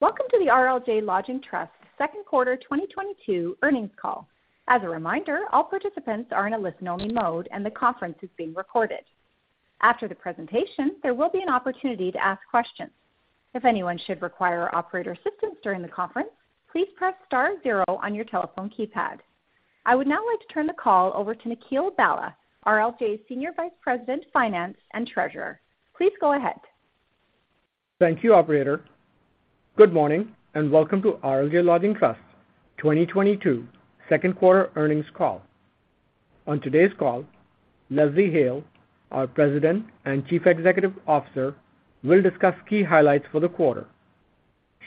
Welcome to the RLJ Lodging Trust Q2 2022 earnings call. As a reminder, all participants are in a listen-only mode, and the conference is being recorded. After the presentation, there will be an opportunity to ask questions. If anyone should require operator assistance during the conference, please press star zero on your telephone keypad. I would now like to turn the call over to Nikhil Bhalla, RLJ's Senior Vice President Finance and Treasurer. Please go ahead. Thank you, operator. Good morning, and welcome to RLJ Lodging Trust 2022 Q2 earnings call. On today's call, Leslie Hale, our President and Chief Executive Officer, will discuss key highlights for the quarter.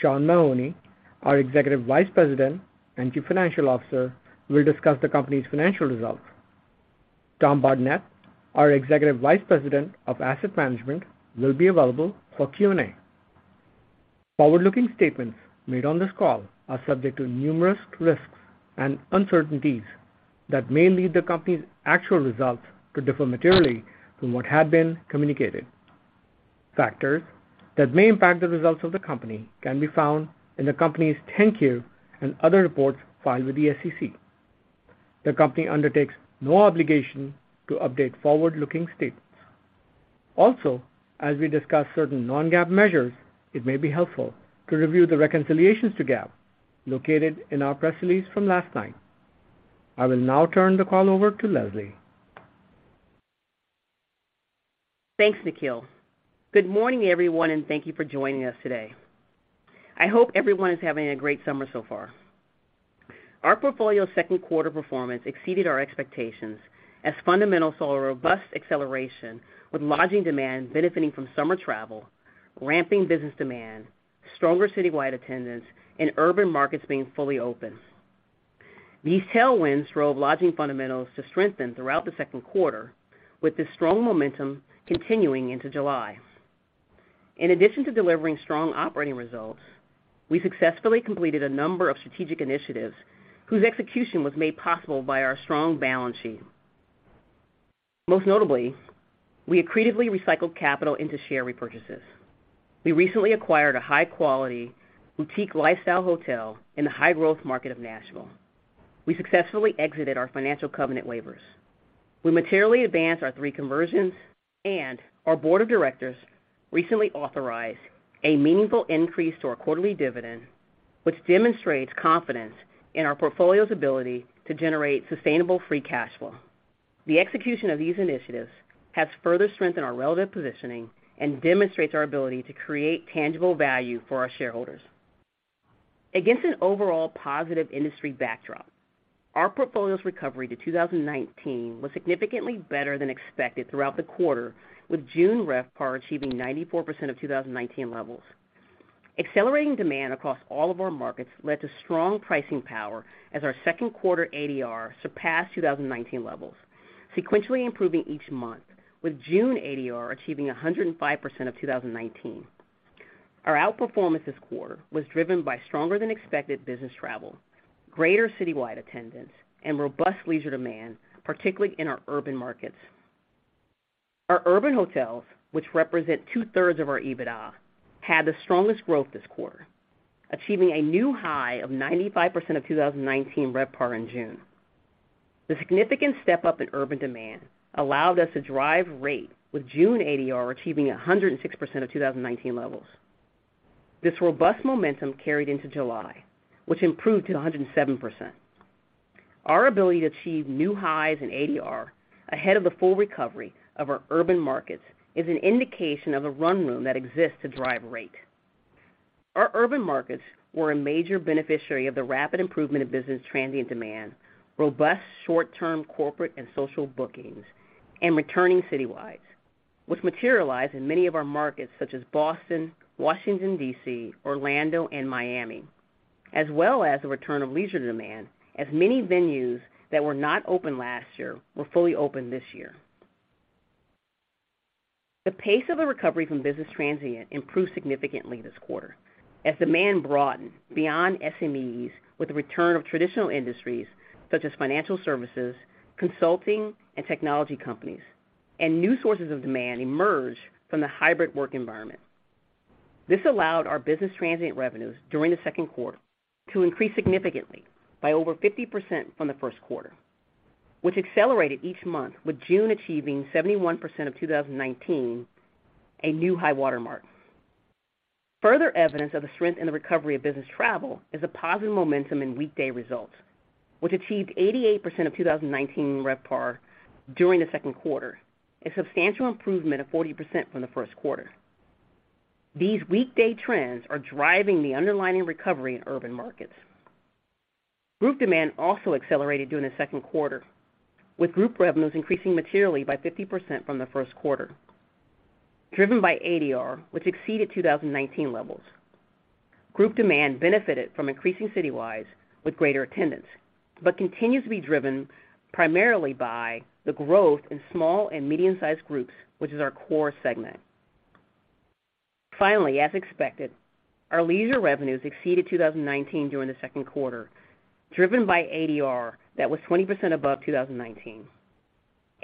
Sean Mahoney, our Executive Vice President and Chief Financial Officer, will discuss the company's financial results. Tom Barnett, our Executive Vice President of Asset Management, will be available for Q&A. Forward-looking statements made on this call are subject to numerous risks and uncertainties that may lead the company's actual results to differ materially from what had been communicated. Factors that may impact the results of the company can be found in the company's 10-K and other reports filed with the SEC. The company undertakes no obligation to update forward-looking statements. Also, as we discuss certain non-GAAP measures, it may be helpful to review the reconciliations to GAAP located in our press release from last night. I will now turn the call over to Leslie. Thanks, Nikhil. Good morning, everyone, and thank you for joining us today. I hope everyone is having a great summer so far. Our portfolio Q2 performance exceeded our expectations as fundamentals saw a robust acceleration, with lodging demand benefiting from summer travel, ramping business demand, stronger citywide attendance, and urban markets being fully open. These tailwinds drove lodging fundamentals to strengthen throughout the Q2, with the strong momentum continuing into July. In addition to delivering strong operating results, we successfully completed a number of strategic initiatives whose execution was made possible by our strong balance sheet. Most notably, we accretively recycled capital into share repurchases. We recently acquired a high-quality boutique lifestyle hotel in the high-growth market of Nashville. We successfully exited our financial covenant waivers. We materially advanced our three conversions, and our board of directors recently authorized a meaningful increase to our quarterly dividend, which demonstrates confidence in our portfolio's ability to generate sustainable free cash flow. The execution of these initiatives has further strengthened our relative positioning, and demonstrates our ability to create tangible value for our shareholders. Against an overall positive industry backdrop, our portfolio's recovery to 2019 was significantly better than expected throughout the quarter, with June RevPAR achieving 94% of 2019 levels. Accelerating demand across all of our markets led to strong pricing power as our Q2 ADR surpassed 2019 levels, sequentially improving each month, with June ADR achieving 105% of 2019. Our outperformance this quarter was driven by stronger than expected business travel, greater citywide attendance, and robust leisure demand, particularly in our urban markets. Our urban hotels, which represent two-thirds of our EBITDA, had the strongest growth this quarter, achieving a new high of 95% of 2019 RevPAR in June. The significant step-up in urban demand allowed us to drive rate, with June ADR achieving 106% of 2019 levels. This robust momentum carried into July, which improved to 107%. Our ability to achieve new highs in ADR ahead of the full recovery of our urban markets is an indication of a run room that exists to drive rate. Our urban markets were a major beneficiary of the rapid improvement of business transient demand, robust short-term corporate and social bookings, and returning citywides, which materialized in many of our markets such as Boston, Washington, D.C., Orlando, and Miami, as well as the return of leisure demand, as many venues that were not open last year were fully open this year. The pace of the recovery from business transient improved significantly this quarter as demand broadened beyond SMEs with the return of traditional industries such as financial services, consulting, and technology companies, and new sources of demand emerged from the hybrid work environment. This allowed our business transient revenues during the Q2 to increase significantly by over 50% from the Q1, which accelerated each month, with June achieving 71% of 2019, a new high watermark. Further evidence of the strength in the recovery of business travel is the positive momentum in weekday results, which achieved 88% of 2019 RevPAR during the Q2, a substantial improvement of 40% from the Q1. These weekday trends are driving the underlying recovery in urban markets. Group demand also accelerated during the Q2, with group revenues increasing materially by 50% from the Q1, driven by ADR, which exceeded 2019 levels. Group demand benefited from increasing citywides with greater attendance, but continues to be driven primarily by the growth in small and medium-sized groups, which is our core segment. Finally, as expected, our leisure revenues exceeded 2019 during the Q2, driven by ADR that was 20% above 2019.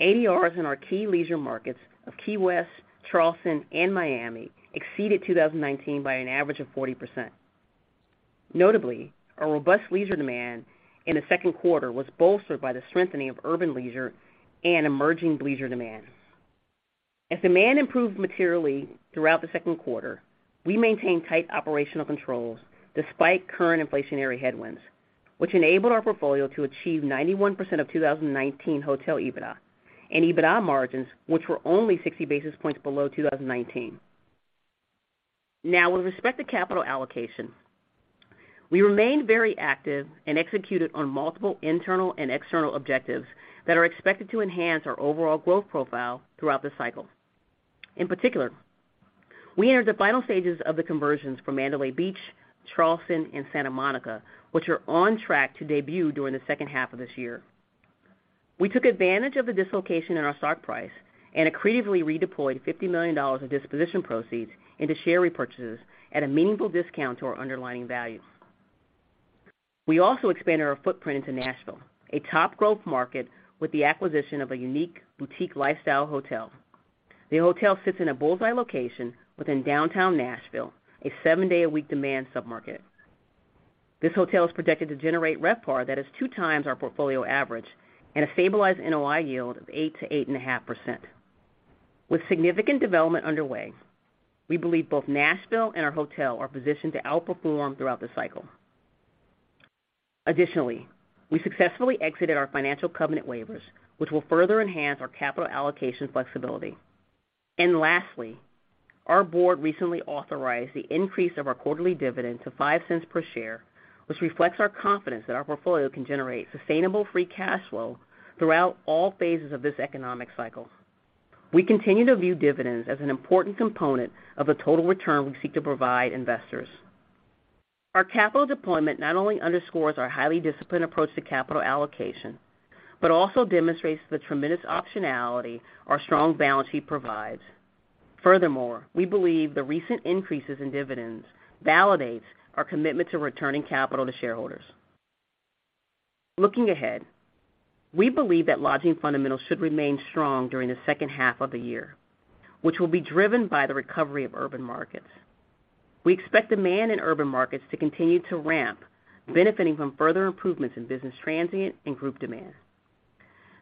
ADRs in our key leisure markets of Key West, Charleston, and Miami exceeded 2019 by an average of 40%. Notably, our robust leisure demand in the Q2 was bolstered by the strengthening of urban leisure and emerging leisure demand. As demand improved materially throughout the Q2, we maintained tight operational controls despite current inflationary headwinds, which enabled our portfolio to achieve 91% of 2019 hotel EBITDA and EBITDA margins, which were only 60 basis points below 2019. Now, with respect to capital allocation, we remained very active and executed on multiple internal and external objectives that are expected to enhance our overall growth profile throughout this cycle. In particular, we entered the final stages of the conversions for Mandalay Beach, Charleston, and Santa Monica, which are on track to debut during the second half of this year. We took advantage of the dislocation in our stock price and accretively redeployed $50 million of disposition proceeds into share repurchases at a meaningful discount to our underlying value. We also expanded our footprint into Nashville, a top growth market with the acquisition of a unique boutique lifestyle hotel. The hotel sits in a bull's-eye location within downtown Nashville, a seven-day-a-week demand submarket. This hotel is projected to generate RevPAR that is 2x our portfolio average and a stabilized NOI yield of 8%-8.5%. With significant development underway, we believe both Nashville and our hotel are positioned to outperform throughout this cycle. Additionally, we successfully exited our financial covenant waivers, which will further enhance our capital allocation flexibility. Lastly, our board recently authorized the increase of our quarterly dividend to $0.05 per share, which reflects our confidence that our portfolio can generate sustainable free cash flow throughout all phases of this economic cycle. We continue to view dividends as an important component of the total return we seek to provide investors. Our capital deployment not only underscores our highly disciplined approach to capital allocation, but also demonstrates the tremendous optionality our strong balance sheet provides. Furthermore, we believe the recent increases in dividends validates our commitment to returning capital to shareholders. Looking ahead, we believe that lodging fundamentals should remain strong during the second half of the year, which will be driven by the recovery of urban markets. We expect demand in urban markets to continue to ramp, benefiting from further improvements in business transient and group demand.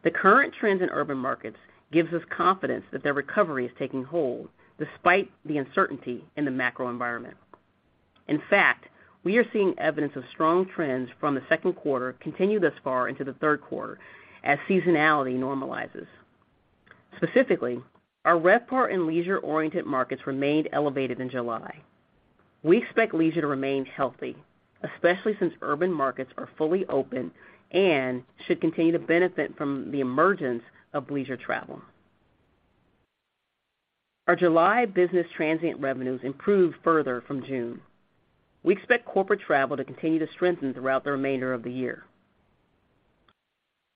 The current trends in urban markets gives us confidence that their recovery is taking hold despite the uncertainty in the macro environment. In fact, we are seeing evidence of strong trends from the Q2 continue thus far into the Q3 as seasonality normalizes. Specifically, our RevPAR in leisure-oriented markets remained elevated in July. We expect leisure to remain healthy, especially since urban markets are fully open and should continue to benefit from the emergence of leisure travel. Our July business transient revenues improved further from June. We expect corporate travel to continue to strengthen throughout the remainder of the year.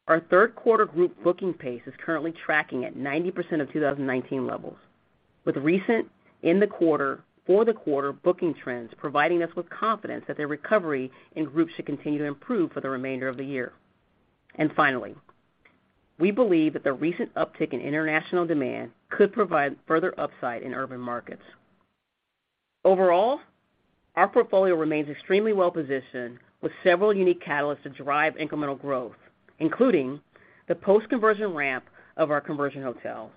Our Q3 group booking pace is currently tracking at 90% of 2019 levels, with recent in-the-quarter, for-the-quarter booking trends providing us with confidence that the recovery in groups should continue to improve for the remainder of the year. Finally, we believe that the recent uptick in international demand could provide further upside in urban markets. Overall, our portfolio remains extremely well-positioned with several unique catalysts to drive incremental growth, including the post-conversion ramp of our conversion hotels,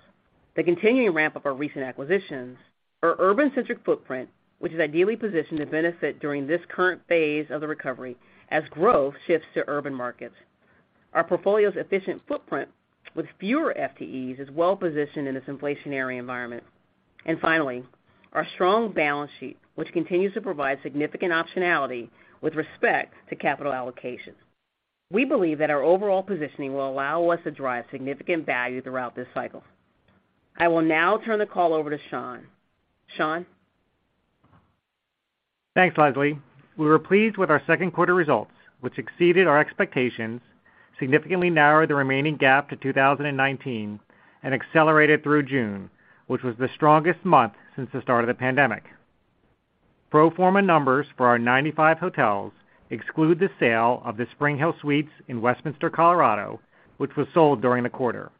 the continuing ramp of our recent acquisitions, our urban-centric footprint, which is ideally positioned to benefit during this current phase of the recovery as growth shifts to urban markets. Our portfolio's efficient footprint with fewer FTEs is well-positioned in this inflationary environment. Finally, our strong balance sheet, which continues to provide significant optionality with respect to capital allocation. We believe that our overall positioning will allow us to drive significant value throughout this cycle. I will now turn the call over to Sean. Sean? Thanks, Leslie. We were pleased with our Q2 results, which exceeded our expectations, significantly narrowed the remaining gap to 2019, and accelerated through June, which was the strongest month since the start of the pandemic. Pro forma numbers for our 95 hotels exclude the sale of the SpringHill Suites in Westminster, Colorado, which was sold during the quarter.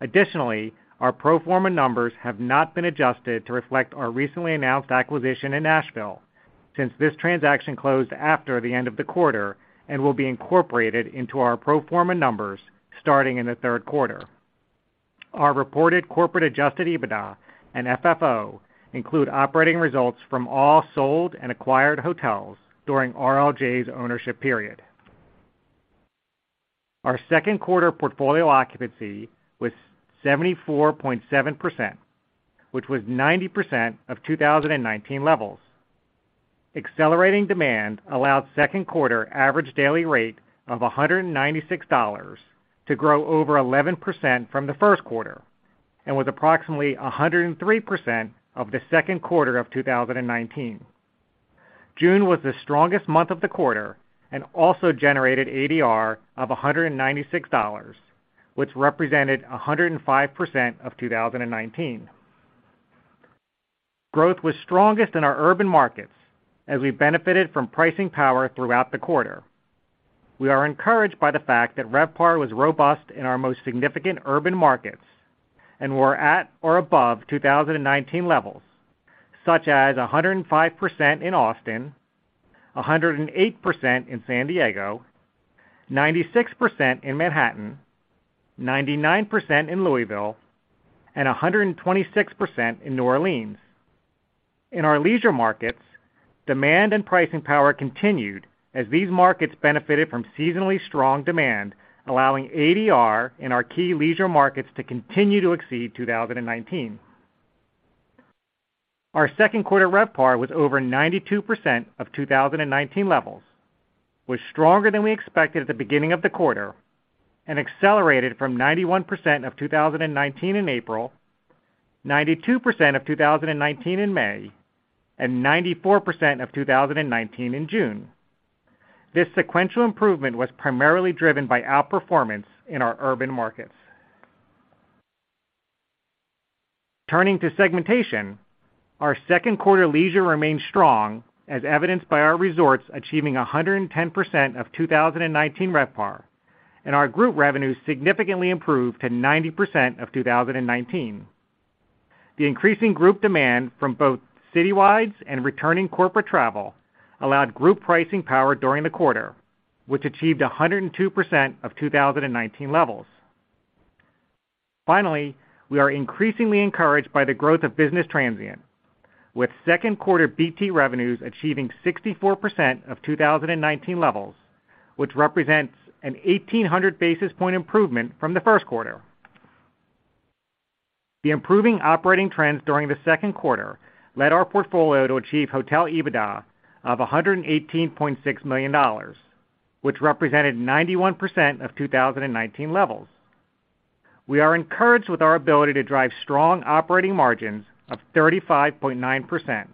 Additionally, our pro forma numbers have not been adjusted to reflect our recently announced acquisition in Nashville since this transaction closed after the end of the quarter and will be incorporated into our pro forma numbers starting in the Q3. Our reported corporate adjusted EBITDA and FFO include operating results from all sold and acquired hotels during RLJ's ownership period. Our Q2 portfolio occupancy was 74.7%, which was 90% of 2019 levels. Accelerating demand allowed Q2 average daily rate of $196 to grow over 11% from the Q1 and was approximately 103% of the Q2 of 2019. June was the strongest month of the quarter and also generated ADR of $196, which represented 105% of 2019. Growth was strongest in our urban markets as we benefited from pricing power throughout the quarter. We are encouraged by the fact that RevPAR was robust in our most significant urban markets, and were at or above 2019 levels, such as 105% in Austin, 108% in San Diego, 96% in Manhattan, 99% in Louisville, and 126% in New Orleans. In our leisure markets, demand and pricing power continued as these markets benefited from seasonally strong demand, allowing ADR in our key leisure markets to continue to exceed 2019. Our Q2 RevPAR was over 92% of 2019 levels, was stronger than we expected at the beginning of the quarter, and accelerated from 91% of 2019 in April, 92% of 2019 in May, and 94% of 2019 in June. This sequential improvement was primarily driven by outperformance in our urban markets. Turning to segmentation, our Q2 leisure remained strong, as evidenced by our resorts achieving 110% of 2019 RevPAR, and our group revenue significantly improved to 90% of 2019. The increasing group demand from both citywide, and returning corporate travel allowed group pricing power during the quarter, which achieved 102% of 2019 levels. Finally, we are increasingly encouraged by the growth of business transient, with Q2 BT revenues achieving 64% of 2019 levels, which represents an 1,800 basis point improvement from the Q1. The improving operating trends during the Q2 led our portfolio to achieve hotel EBITDA of $118.6 million, which represented 91% of 2019 levels. We are encouraged with our ability to drive strong operating margins of 35.9%,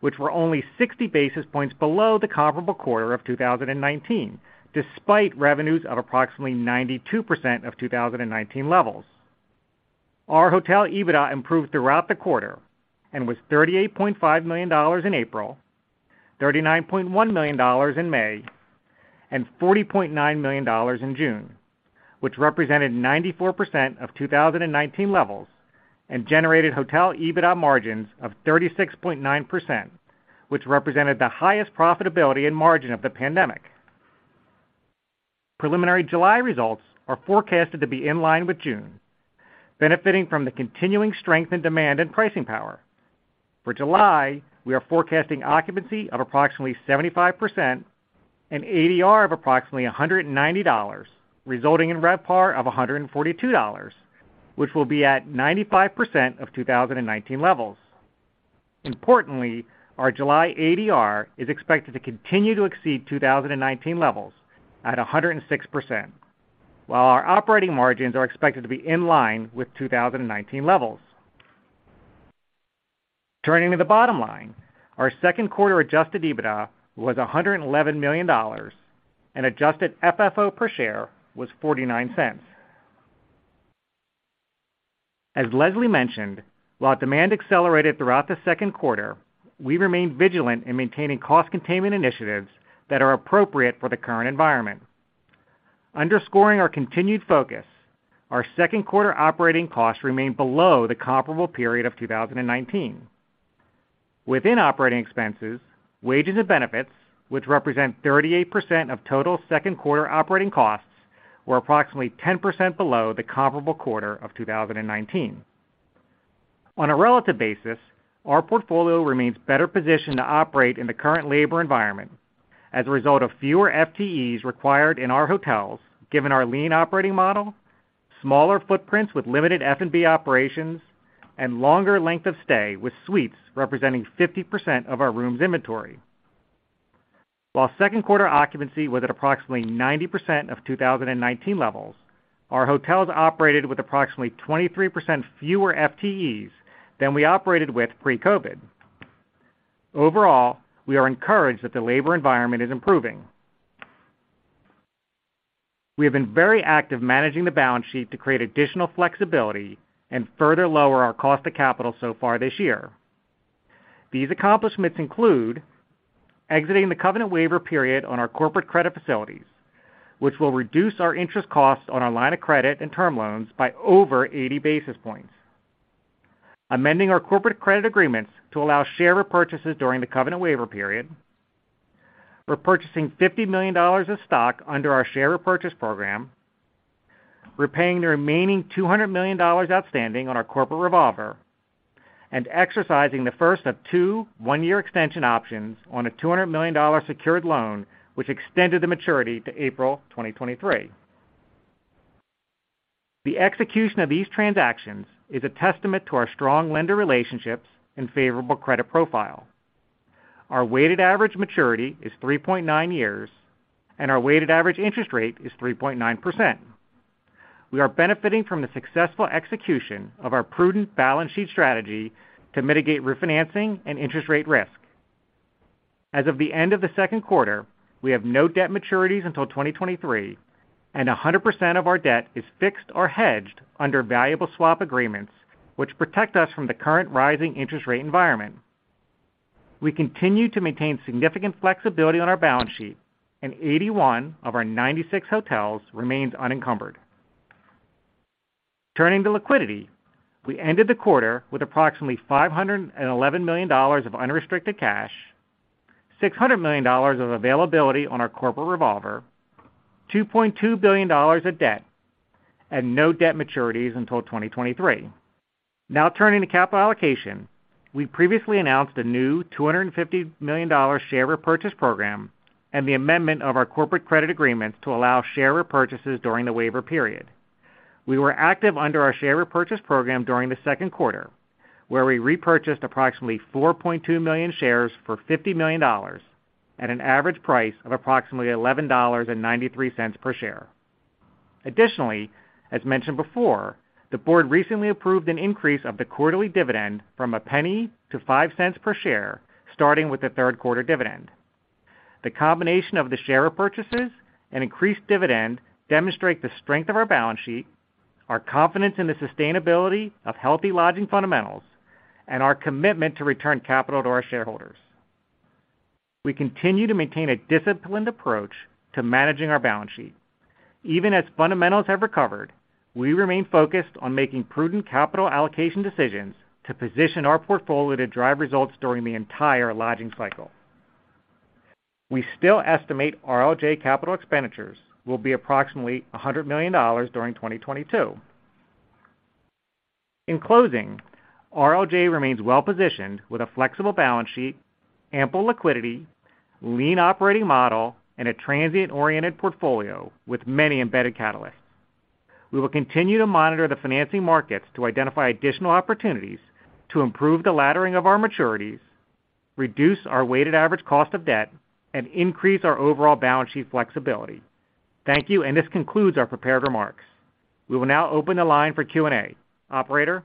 which were only 60 basis points below the comparable quarter of 2019, despite revenues of approximately 92% of 2019 levels. Our hotel EBITDA improved throughout the quarter, and was $38.5 million in April, $39.1 million in May, and $49 million in June, which represented 94% of 2019 levels and generated hotel EBITDA margins of 36.9%, which represented the highest profitability and margin of the pandemic. Preliminary July results are forecasted to be in line with June, benefiting from the continuing strength in demand, and pricing power. For July, we are forecasting occupancy of approximately 75% and ADR of approximately $190, resulting in RevPAR of $142, which will be at 95% of 2019 levels. Importantly, our July ADR is expected to continue to exceed 2019 levels at 106%, while our operating margins are expected to be in line with 2019 levels. Turning to the bottom line, our Q2 adjusted EBITDA was $111 million, and adjusted FFO per share was $0.49. As Leslie mentioned, while demand accelerated throughout the Q2, we remained vigilant in maintaining cost containment initiatives that are appropriate for the current environment. Underscoring our continued focus, our Q2 operating costs remained below the comparable period of 2019. Within operating expenses, wages and benefits, which represent 38% of total Q2 operating costs, were approximately 10% below the comparable quarter of 2019. On a relative basis, our portfolio remains better positioned to operate in the current labor environment as a result of fewer FTEs required in our hotels, given our lean operating model, smaller footprints with limited F&B operations, and longer length of stay with suites representing 50% of our rooms inventory. While Q2 occupancy was at approximately 90% of 2019 levels, our hotels operated with approximately 23% fewer FTEs than we operated with pre-COVID. Overall, we are encouraged that the labor environment is improving. We have been very active managing the balance sheet to create additional flexibility and further lower our cost of capital so far this year. These accomplishments include exiting the covenant waiver period on our corporate credit facilities, which will reduce our interest costs on our line of credit and term loans by over 80 basis points, amending our corporate credit agreements to allow share repurchases during the covenant waiver period. We're purchasing $50 million of stock under our share repurchase program, repaying the remaining $200 million outstanding on our corporate revolver, and exercising the first of two one-year extension options on a $200 million secured loan, which extended the maturity to April 2023. The execution of these transactions is a testament to our strong lender relationships and favorable credit profile. Our weighted average maturity is 3.9 years, and our weighted average interest rate is 3.9%. We are benefiting from the successful execution of our prudent balance sheet strategy to mitigate refinancing and interest rate risk. As of the end of the Q2, we have no debt maturities until 2023, and 100% of our debt is fixed or hedged under valuable swap agreements, which protect us from the current rising interest rate environment. We continue to maintain significant flexibility on our balance sheet, and 81 of our 96 hotels remains unencumbered. Turning to liquidity, we ended the quarter with approximately $511 million of unrestricted cash, $600 million of availability on our corporate revolver, $2.2 billion of debt, and no debt maturities until 2023. Now turning to capital allocation. We previously announced a new $250 million share repurchase program and the amendment of our corporate credit agreements to allow share repurchases during the waiver period. We were active under our share repurchase program during the Q2, where we repurchased approximately 4.2 million shares for $50 million at an average price of approximately $11.93 per share. Additionally, as mentioned before, the board recently approved an increase of the quarterly dividend from $0.01 to $0.05 per share, starting with the Q3 dividend. The combination of the share repurchases and increased dividend demonstrate the strength of our balance sheet, our confidence in the sustainability of healthy lodging fundamentals, and our commitment to return capital to our shareholders. We continue to maintain a disciplined approach to managing our balance sheet. Even as fundamentals have recovered, we remain focused on making prudent capital allocation decisions to position our portfolio to drive results during the entire lodging cycle. We still estimate RLJ capital expenditures will be approximately $100 million during 2022. In closing, RLJ remains well-positioned with a flexible balance sheet, ample liquidity, lean operating model, and a transient-oriented portfolio with many embedded catalysts. We will continue to monitor the financing markets to identify additional opportunities to improve the laddering of our maturities, reduce our weighted average cost of debt, and increase our overall balance sheet flexibility. Thank you, and this concludes our prepared remarks. We will now open the line for Q&A. Operator?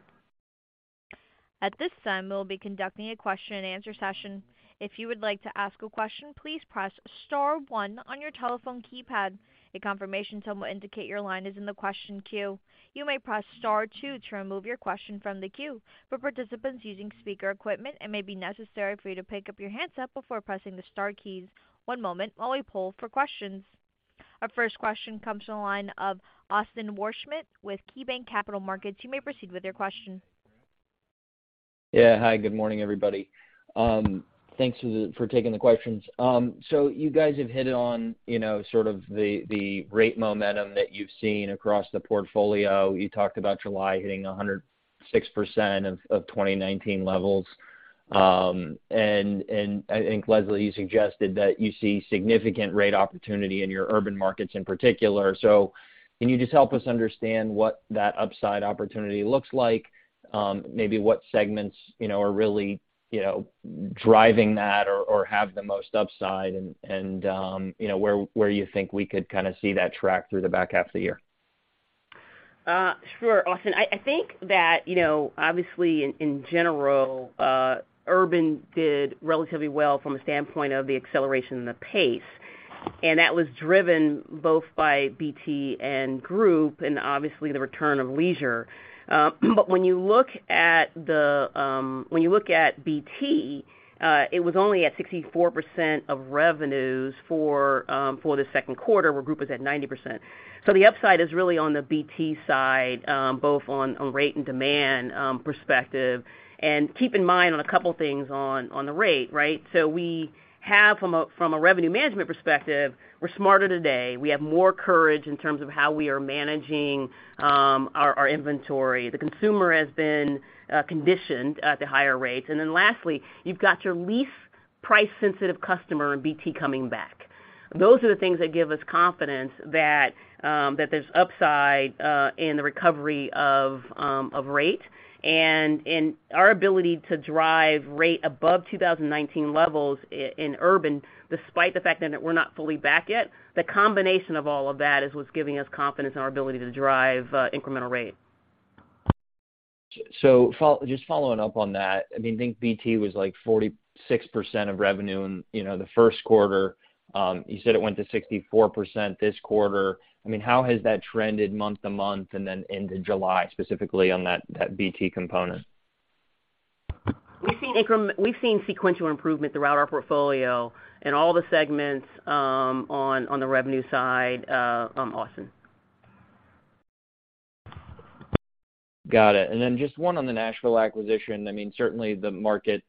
At this time, we'll be conducting a question-and-answer session. If you would like to ask a question, please press star one on your telephone keypad. A confirmation tone will indicate your line is in the question queue. You may press star two to remove your question from the queue. For participants using speaker equipment, it may be necessary for you to pick up your handset before pressing the star keys. One moment while we poll for questions. Our first question comes from the line of Austin Wurschmidt with KeyBanc Capital Markets. You may proceed with your question. Yeah. Hi, good morning, everybody. Thanks for taking the questions. You guys have hit on, you know, sort of the rate momentum that you've seen across the portfolio. You talked about July hitting 106% of 2019 levels. I think, Leslie, you suggested that you see significant rate opportunity in your urban markets in particular. Can you just help us understand what that upside opportunity looks like? Maybe what segments, you know, are really driving that or have the most upside and you know, where you think we could kind of see that track through the back half of the year? Sure, Austin. I think that, you know, obviously, in general, urban did relatively well from a standpoint of the acceleration and the pace, and that was driven both by BT and group and obviously the return of leisure. When you look at BT, it was only at 64% of revenues for the Q2, where group was at 90%. The upside is really on the BT side, both on a rate and demand perspective. Keep in mind a couple things on the rate, right? We have from a revenue management perspective, we're smarter today. We have more courage in terms of how we are managing our inventory. The consumer has been conditioned at the higher rates. Lastly, you've got your least price-sensitive customer in BT coming back. Those are the things that give us confidence that there's upside in the recovery of rate and in our ability to drive rate above 2019 levels in urban, despite the fact then that we're not fully back yet. The combination of all of that is what's giving us confidence in our ability to drive incremental rate. Just following up on that, I mean, I think BT was, like, 46% of revenue in, you know, the Q1. You said it went to 64% this quarter. I mean, how has that trended month-to-month and then into July, specifically on that BT component? We've seen sequential improvement throughout our portfolio in all the segments, on the revenue side, Austin. Got it. Just one on the Nashville acquisition. I mean, certainly the market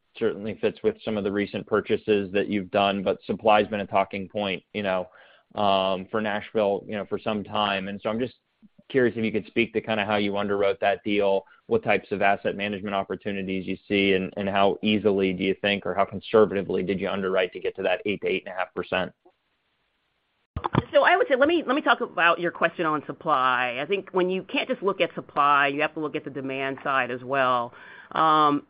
fits with some of the recent purchases that you've done, but supply's been a talking point, you know, for Nashville, you know, for some time. I'm just curious if you could speak to kind of how you underwrote that deal, what types of asset management opportunities you see, and how easily do you think or how conservatively did you underwrite to get to that 8%-8.5%? I would say, let me talk about your question on supply. I think when you can't just look at supply, you have to look at the demand side as well.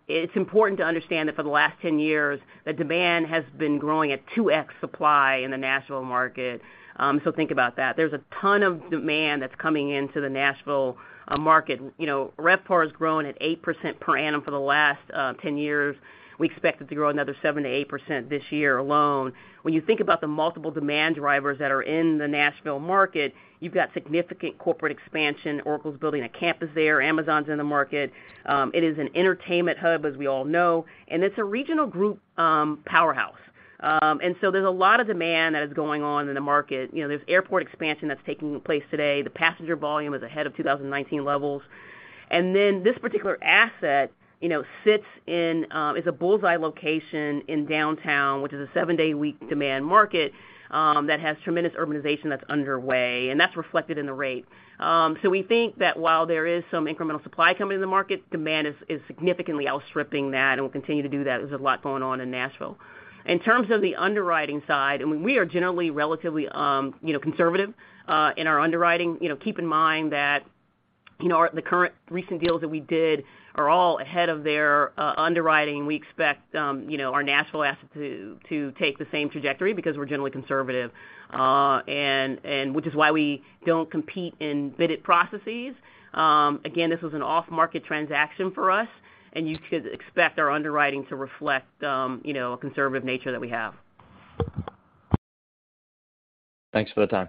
It's important to understand that for the last 10 years, the demand has been growing at 2x supply in the Nashville market, so think about that. There's a ton of demand that's coming into the Nashville market. You know, RevPAR has grown at 8% per annum for the last 10 years. We expect it to grow another 7%-8% this year alone. When you think about the multiple demand drivers that are in the Nashville market, you've got significant corporate expansion. Oracle's building a campus there. Amazon's in the market. It is an entertainment hub, as we all know. It's a regional group powerhouse. There's a lot of demand that is going on in the market. You know, there's airport expansion that's taking place today. The passenger volume is ahead of 2019 levels. This particular asset, you know, sits in it's a bull's eye location in downtown, which is a seven-day-a-week demand market that has tremendous urbanization that's underway, and that's reflected in the rate. We think that while there is some incremental supply coming in the market, demand is significantly outstripping that and will continue to do that. There's a lot going on in Nashville. In terms of the underwriting side, we are generally relatively, you know, conservative in our underwriting. You know, keep in mind that, you know, our current recent deals that we did are all ahead of their underwriting. We expect, you know, our Nashville assets to take the same trajectory because we're generally conservative. Which is why we don't compete in bidded processes. Again, this was an off-market transaction for us, and you should expect our underwriting to reflect, you know, a conservative nature that we have. Thanks for the time.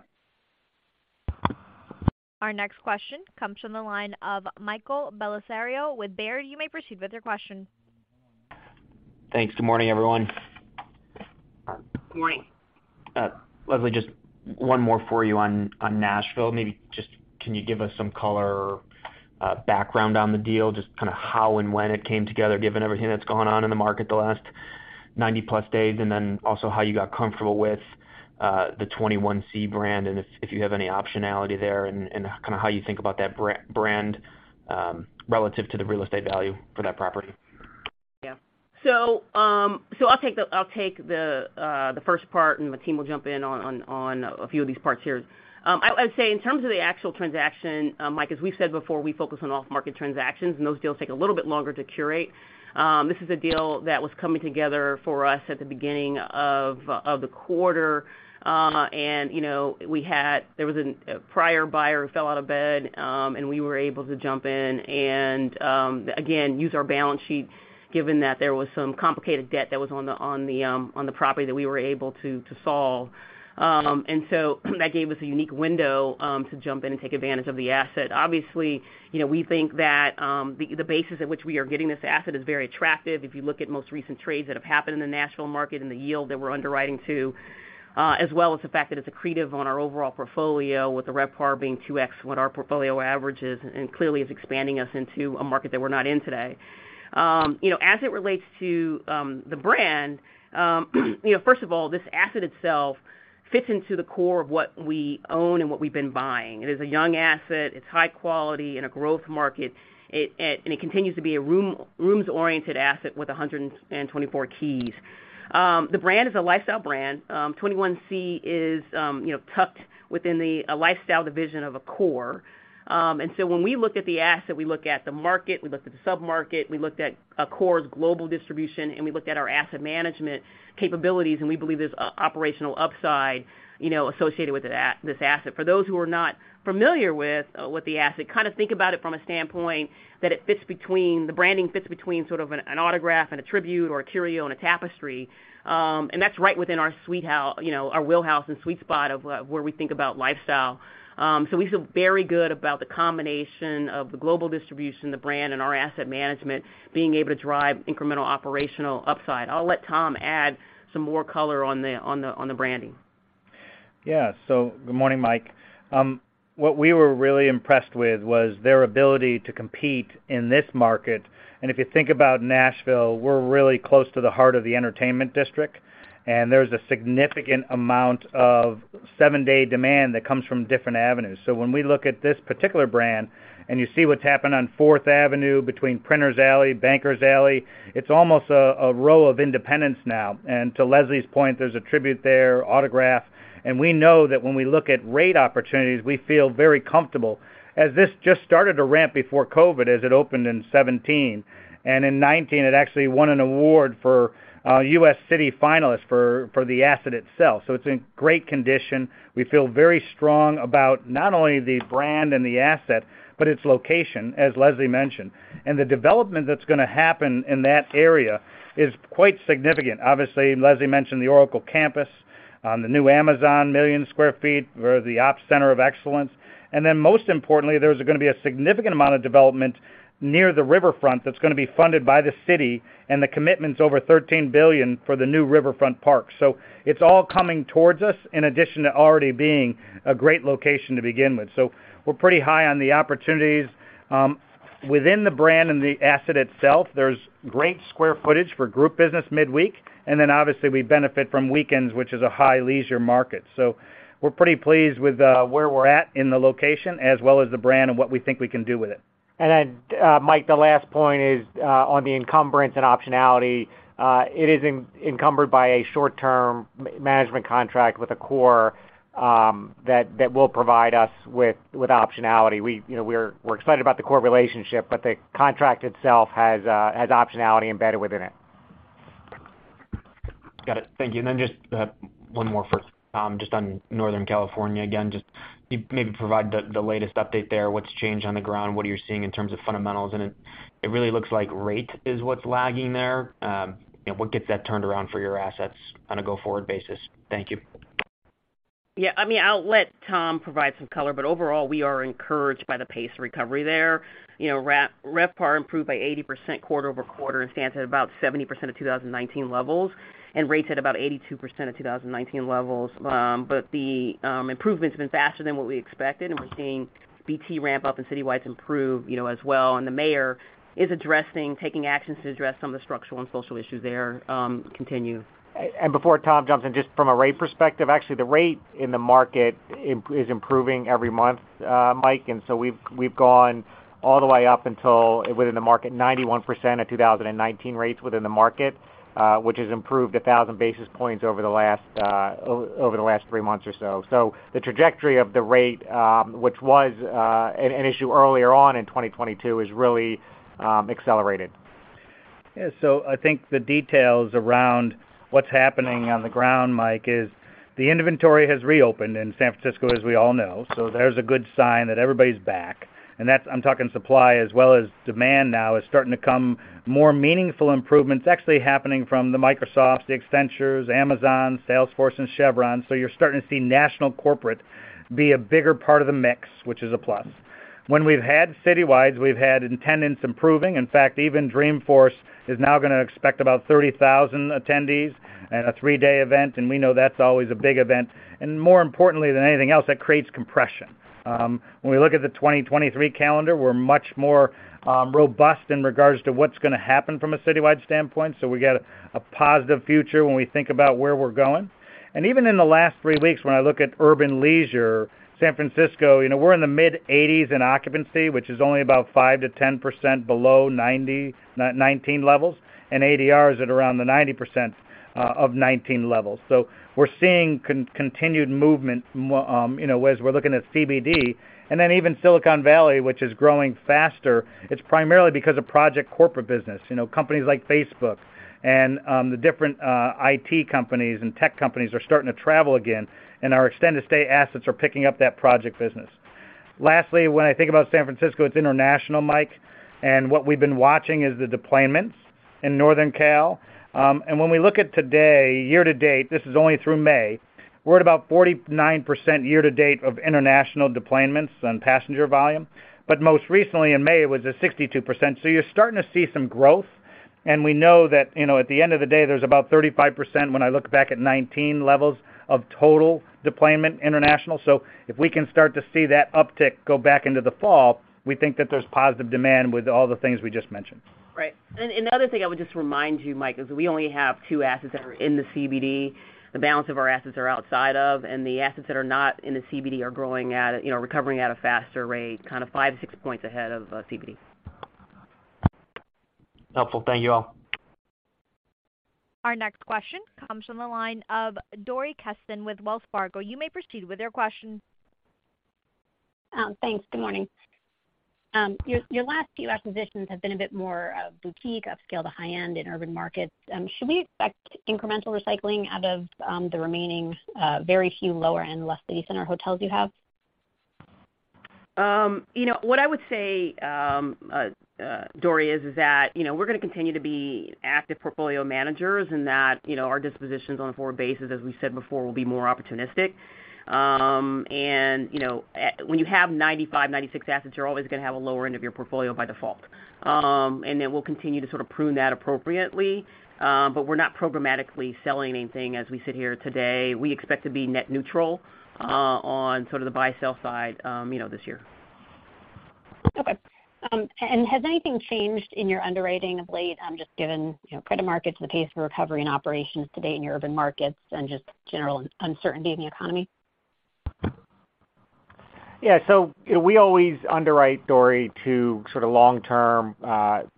Our next question comes from the line of Michael Bellisario with Baird. You may proceed with your question. Thanks. Good morning, everyone. Morning. Leslie, just one more for you on Nashville. Maybe just can you give us some color or background on the deal, just kind of how and when it came together, given everything that's gone on in the market the last 90-plus days, and then also how you got comfortable with the 21c brand, and if you have any optionality there and kind of how you think about that brand, relative to the real estate value for that property. Yeah, I'll take the first part, and my team will jump in on a few of these parts here. I'd say in terms of the actual transaction, Mike, as we've said before, we focus on off-market transactions, and those deals take a little bit longer to curate. This is a deal that was coming together for us at the beginning of the quarter. You know, there was a prior buyer who fell out of bed, and we were able to jump in and again, use our balance sheet given that there was some complicated debt that was on the property that we were able to solve. That gave us a unique window to jump in and take advantage of the asset. Obviously, you know, we think that the basis at which we are getting this asset is very attractive. If you look at most recent trades that have happened in the Nashville market and the yield that we're underwriting to, as well as the fact that it's accretive on our overall portfolio with the RevPAR being 2x what our portfolio average is and clearly is expanding us into a market that we're not in today. You know, as it relates to the brand, you know, first of all, this asset itself fits into the core of what we own and what we've been buying. It is a young asset, it's high quality in a growth market. It continues to be a rooms-oriented asset with 124 keys. The brand is a lifestyle brand. 21c is tucked within a lifestyle division of Accor. When we look at the asset, we look at the market, we look at the sub-market, we looked at Accor's global distribution, and we looked at our asset management capabilities, and we believe there's operational upside, you know, associated with this asset. For those who are not familiar with the asset, kind of think about it from a standpoint that the branding fits between sort of an Autograph and a Tribute or a Curio and a Tapestry. That's right within our wheelhouse and sweet spot of where we think about lifestyle. We feel very good about the combination of the global distribution, the brand, and our asset management being able to drive incremental operational upside. I'll let Tom add some more color on the branding. Yeah. Good morning, Mike. What we were really impressed with was their ability to compete in this market. If you think about Nashville, we're really close to the heart of the entertainment district, and there's a significant amount of seven-day demand that comes from different avenues. When we look at this particular brand, and you see what's happened on Fourth Avenue between Printers Alley, Bankers Alley, it's almost a row of Independents now. To Leslie's point, there's a Tribute there, Autograph. We know that when we look at rate opportunities, we feel very comfortable as this just started to ramp before COVID, as it opened in 2017. In 2019, it actually won an award for U.S. city finalist for the asset itself. It's in great condition. We feel very strong about not only the brand and the asset, but its location, as Leslie mentioned. The development that's gonna happen in that area is quite significant. Obviously, Leslie mentioned the Oracle campus, the new Amazon 1 million sq ft ops center of excellence. Most importantly, there's gonna be a significant amount of development near the riverfront that's gonna be funded by the city, and the commitment's over $13 billion for the new riverfront park. It's all coming towards us, in addition to already being a great location to begin with. We're pretty high on the opportunities. Within the brand and the asset itself, there's great square footage for group business midweek. Obviously we benefit from weekends, which is a high leisure market. We're pretty pleased with where we're at in the location as well as the brand and what we think we can do with it. Mike, the last point is on the encumbrance and optionality. It is encumbered by a short-term management contract with Accor that will provide us with optionality. You know, we're excited about the core relationship, but the contract itself has optionality embedded within it. Got it. Thank you. Just one more for Tom, just on Northern California. Again, just maybe provide the latest update there. What's changed on the ground? What are you seeing in terms of fundamentals? It really looks like rate is what's lagging there. You know, what gets that turned around for your assets on a go-forward basis? Thank you. Yeah, I mean, I'll let Tom provide some color, but overall we are encouraged by the pace of recovery there. You know, RevPAR improved by 80% quarter-over-quarter and stands at about 70% of 2019 levels, and rates at about 82% of 2019 levels. But the improvement's been faster than what we expected, and we're seeing BT ramp up and citywides improve, you know, as well. The mayor is addressing, taking actions to address some of the structural and social issues there. Before Tom jumps in, just from a rate perspective, actually the rate in the market is improving every month, Mike. We've gone all the way up until within the market 91% of 2019 rates within the market, which has improved 1,000 basis points over the last over the last three months or so. The trajectory of the rate, which was an issue earlier on in 2022 is really accelerated. Yeah. I think the details around what's happening on the ground, Mike, is the inventory has reopened in San Francisco, as we all know. There's a good sign that everybody's back, and that's, I'm talking supply as well as demand, now is starting to come more meaningful improvements actually happening from the Microsofts, the Accenture, Amazons, Salesforces and Chevrons. You're starting to see national corporate be a bigger part of the mix, which is a plus. When we've had citywides, we've had attendance improving. In fact, even Dreamforce is now gonna expect about 30,000 attendees at a three-day event, and we know that's always a big event. More importantly than anything else, that creates compression. When we look at the 2023 calendar, we're much more robust in regards to what's gonna happen from a citywide standpoint. We got a positive future when we think about where we're going. Even in the last three weeks, when I look at urban leisure, San Francisco, you know, we're in the mid-80s in occupancy, which is only about 5%-10% below 2019 levels, and ADR is at around the 90% of 2019 levels. We're seeing continued movement, you know, as we're looking at CBD and then even Silicon Valley, which is growing faster. It's primarily because of project corporate business. You know, companies like Facebook and the different IT companies and tech companies are starting to travel again, and our extended stay assets are picking up that project business. Lastly, when I think about San Francisco, it's international, Mike, and what we've been watching is the deplanements in Northern Cal. When we look at today, year to date, this is only through May, we're at about 49% year to date of international deplanements on passenger volume, but most recently in May, it was at 62%. You're starting to see some growth, and we know that, you know, at the end of the day, there's about 35% when I look back at 2019 levels of total international deplanements. If we can start to see that uptick go back into the fall, we think that there's positive demand with all the things we just mentioned. Right. The other thing I would just remind you, Mike, is we only have two assets that are in the CBD. The balance of our assets are outside of, and the assets that are not in the CBD are growing at a, you know, recovering at a faster rate, kind of five to six points ahead of CBD. Helpful. Thank you all. Our next question comes from the line of Dori Kesten with Wells Fargo. You may proceed with your question. Thanks. Good morning. Your last few acquisitions have been a bit more boutique, upscale to high-end in urban markets. Should we expect incremental recycling out of the remaining very few lower-end, less city-center hotels you have? You know what I would say, Dori, is that, you know, we're gonna continue to be active portfolio managers and that, you know, our dispositions on a forward basis, as we said before, will be more opportunistic. You know, when you have 95-96 assets, you're always gonna have a lower end of your portfolio by default. We'll continue to sort of prune that appropriately, but we're not programmatically selling anything as we sit here today. We expect to be net neutral, on sort of the buy/sell side, you know, this year. Okay. Has anything changed in your underwriting of late, just given, you know, credit markets, the pace of recovery and operations to date in your urban markets and just general uncertainty in the economy? Yeah. You know, we always underwrite, Dori, to sort of long-term,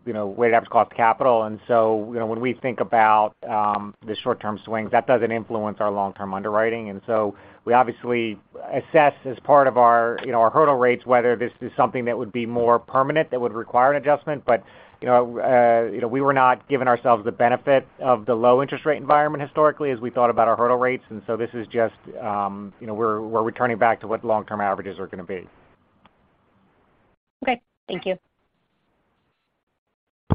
you know, weighted average cost of capital. You know, when we think about the short-term swings, that doesn't influence our long-term underwriting. We obviously assess as part of our, you know, our hurdle rates, whether this is something that would be more permanent that would require an adjustment. You know, you know, we were not giving ourselves the benefit of the low interest rate environment historically as we thought about our hurdle rates. This is just, you know, we're returning back to what long-term averages are gonna be. Okay. Thank you.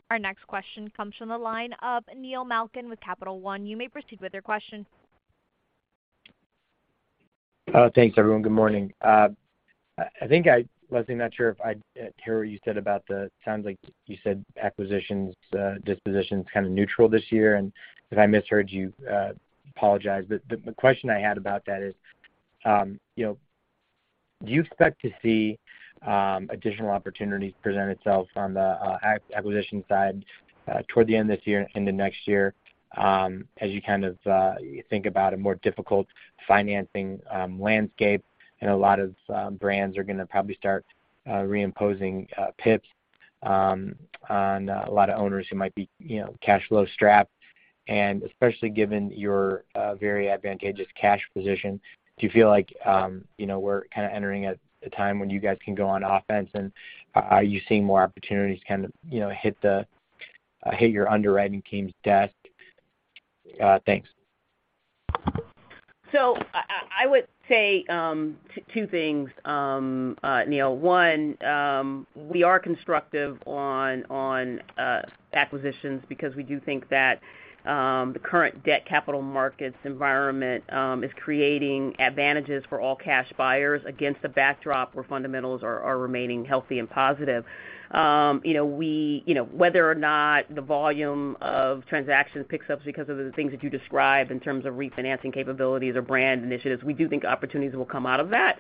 Our next question comes from the line of Neil Malkin with Capital One. You may proceed with your question. Thanks, everyone. Good morning. I think, Leslie, I'm not sure if, Terry, you said about the—it sounds like you said acquisitions, dispositions kind of neutral this year, and if I misheard you, apologize. But the question I had about that is, you know, do you expect to see additional opportunities present itself on the acquisition side, toward the end of this year into next year, as you kind of think about a more difficult financing landscape and a lot of brands are gonna probably start reimposing PIPs on a lot of owners who might be, you know, cash flow strapped. Especially given your very advantageous cash position, do you feel like, you know, we're kind of entering a time when you guys can go on offense, and are you seeing more opportunities kind of, you know, hit your underwriting team's desk? Thanks. I would say two things, Neil. One, we are constructive on acquisitions because we do think that the current debt capital markets environment is creating advantages for all cash buyers against the backdrop where fundamentals are remaining healthy and positive. You know, we, you know, whether or not the volume of transactions picks up because of the things that you described in terms of refinancing capabilities or brand initiatives, we do think opportunities will come out of that.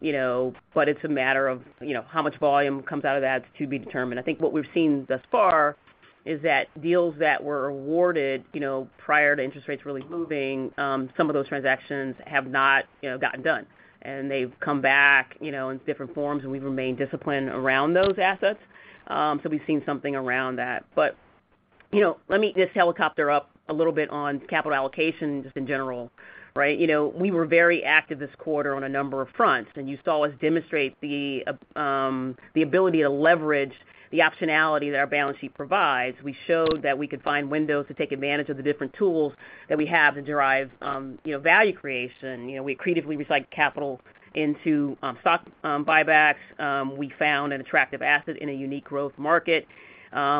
You know, but it's a matter of, you know, how much volume comes out of that is to be determined. I think what we've seen thus far is that deals that were awarded, you know, prior to interest rates really moving, some of those transactions have not, you know, gotten done, and they've come back, you know, in different forms, and we've remained disciplined around those assets. We've seen something around that. You know, let me just helicopter up a little bit on capital allocation just in general, right? You know, we were very active this quarter on a number of fronts, and you saw us demonstrate the ability to leverage the optionality that our balance sheet provides. We showed that we could find windows to take advantage of the different tools that we have to derive, you know, value creation. You know, we creatively recycled capital into stock buybacks. We found an attractive asset in a unique growth market.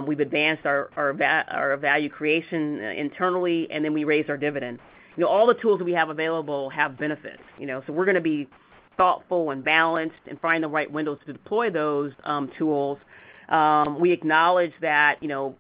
We've advanced our value creation internally, and then we raised our dividends. You know, all the tools we have available have benefits, you know, so we're gonna be thoughtful and balanced in finding the right windows to deploy those tools. We acknowledge that, you know,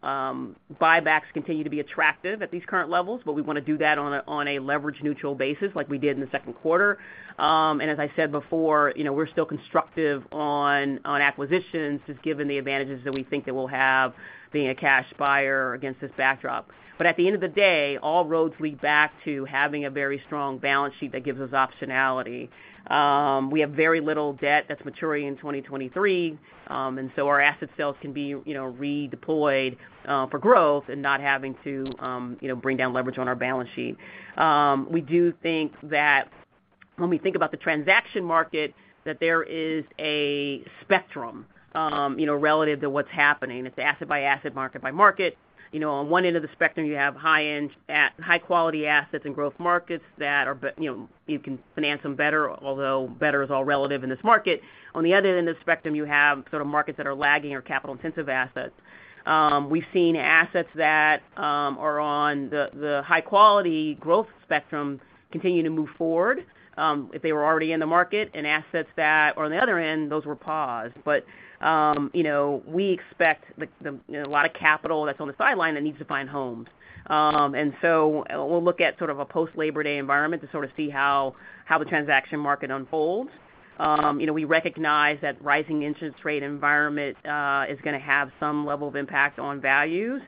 buybacks continue to be attractive at these current levels, but we wanna do that on a leverage-neutral basis like we did in the Q2. As I said before, you know, we're still constructive on acquisitions just given the advantages that we think that we'll have being a cash buyer against this backdrop. At the end of the day, all roads lead back to having a very strong balance sheet that gives us optionality. We have very little debt that's maturing in 2023, and so our asset sales can be, you know, redeployed for growth, and not having to, you know, bring down leverage on our balance sheet. We do think that when we think about the transaction market, that there is a spectrum, you know, relative to what's happening. It's asset by asset, market by market. You know, on one end of the spectrum, you have high-end high-quality assets in growth markets that are, you know, you can finance them better, although better is all relative in this market. On the other end of the spectrum, you have sort of markets that are lagging or capital-intensive assets. We've seen assets that are on the high-quality growth spectrum continue to move forward if they were already in the market, and assets that are on the other end, those were paused. You know, we expect a lot of capital that's on the sidelines that needs to find homes. We'll look at sort of a post-Labor Day environment to sort of see how the transaction market unfolds. You know, we recognize that rising interest rate environment is gonna have some level of impact on values.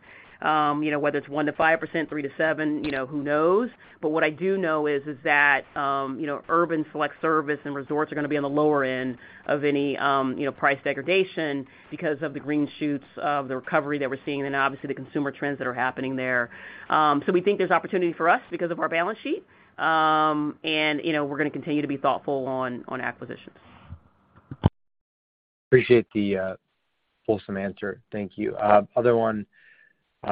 You know, whether it's 1%-5%, 3%-7%, you know, who knows? What I do know is that you know urban select service, and resorts are gonna be on the lower end of any you know price degradation because of the green shoots of the recovery that we're seeing and obviously the consumer trends that are happening there. We think there's opportunity for us because of our balance sheet. You know we're gonna continue to be thoughtful on acquisitions. Appreciate the wholesome answer. Thank you. Other one,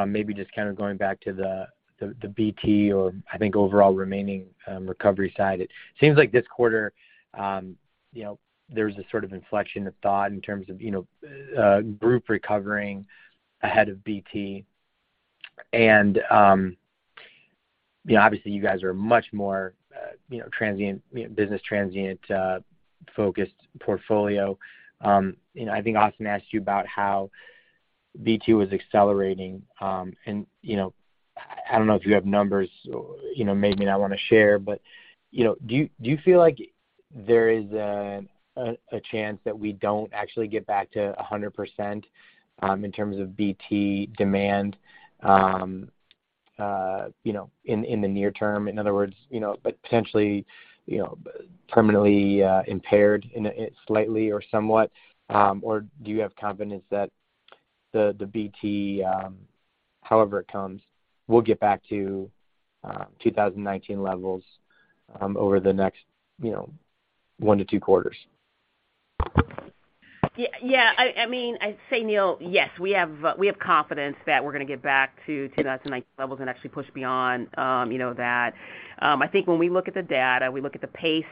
maybe just kind of going back to the BT or I think overall remaining recovery side. It seems like this quarter, you know, there's a sort of inflection point in terms of, you know, group recovering ahead of BT. You know, obviously, you guys are much more, you know, transient, you know, business transient focused portfolio. You know, I think Austin asked you about how BT was accelerating. You know, I don't know if you have numbers or, you know, maybe not wanna share, but, you know, do you feel like there is a chance that we don't actually get back to 100% in terms of BT demand, you know, in the near term? In other words, you know, but potentially, you know, permanently impaired slightly or somewhat, or do you have confidence that the BT, however it comes, will get back to 2019 levels, over the next, you know, Q1-Q2? Yeah, I mean, I'd say, Neil, yes, we have confidence that we're gonna get back to 2019 levels and actually push beyond, you know, that. I think when we look at the data, we look at the pace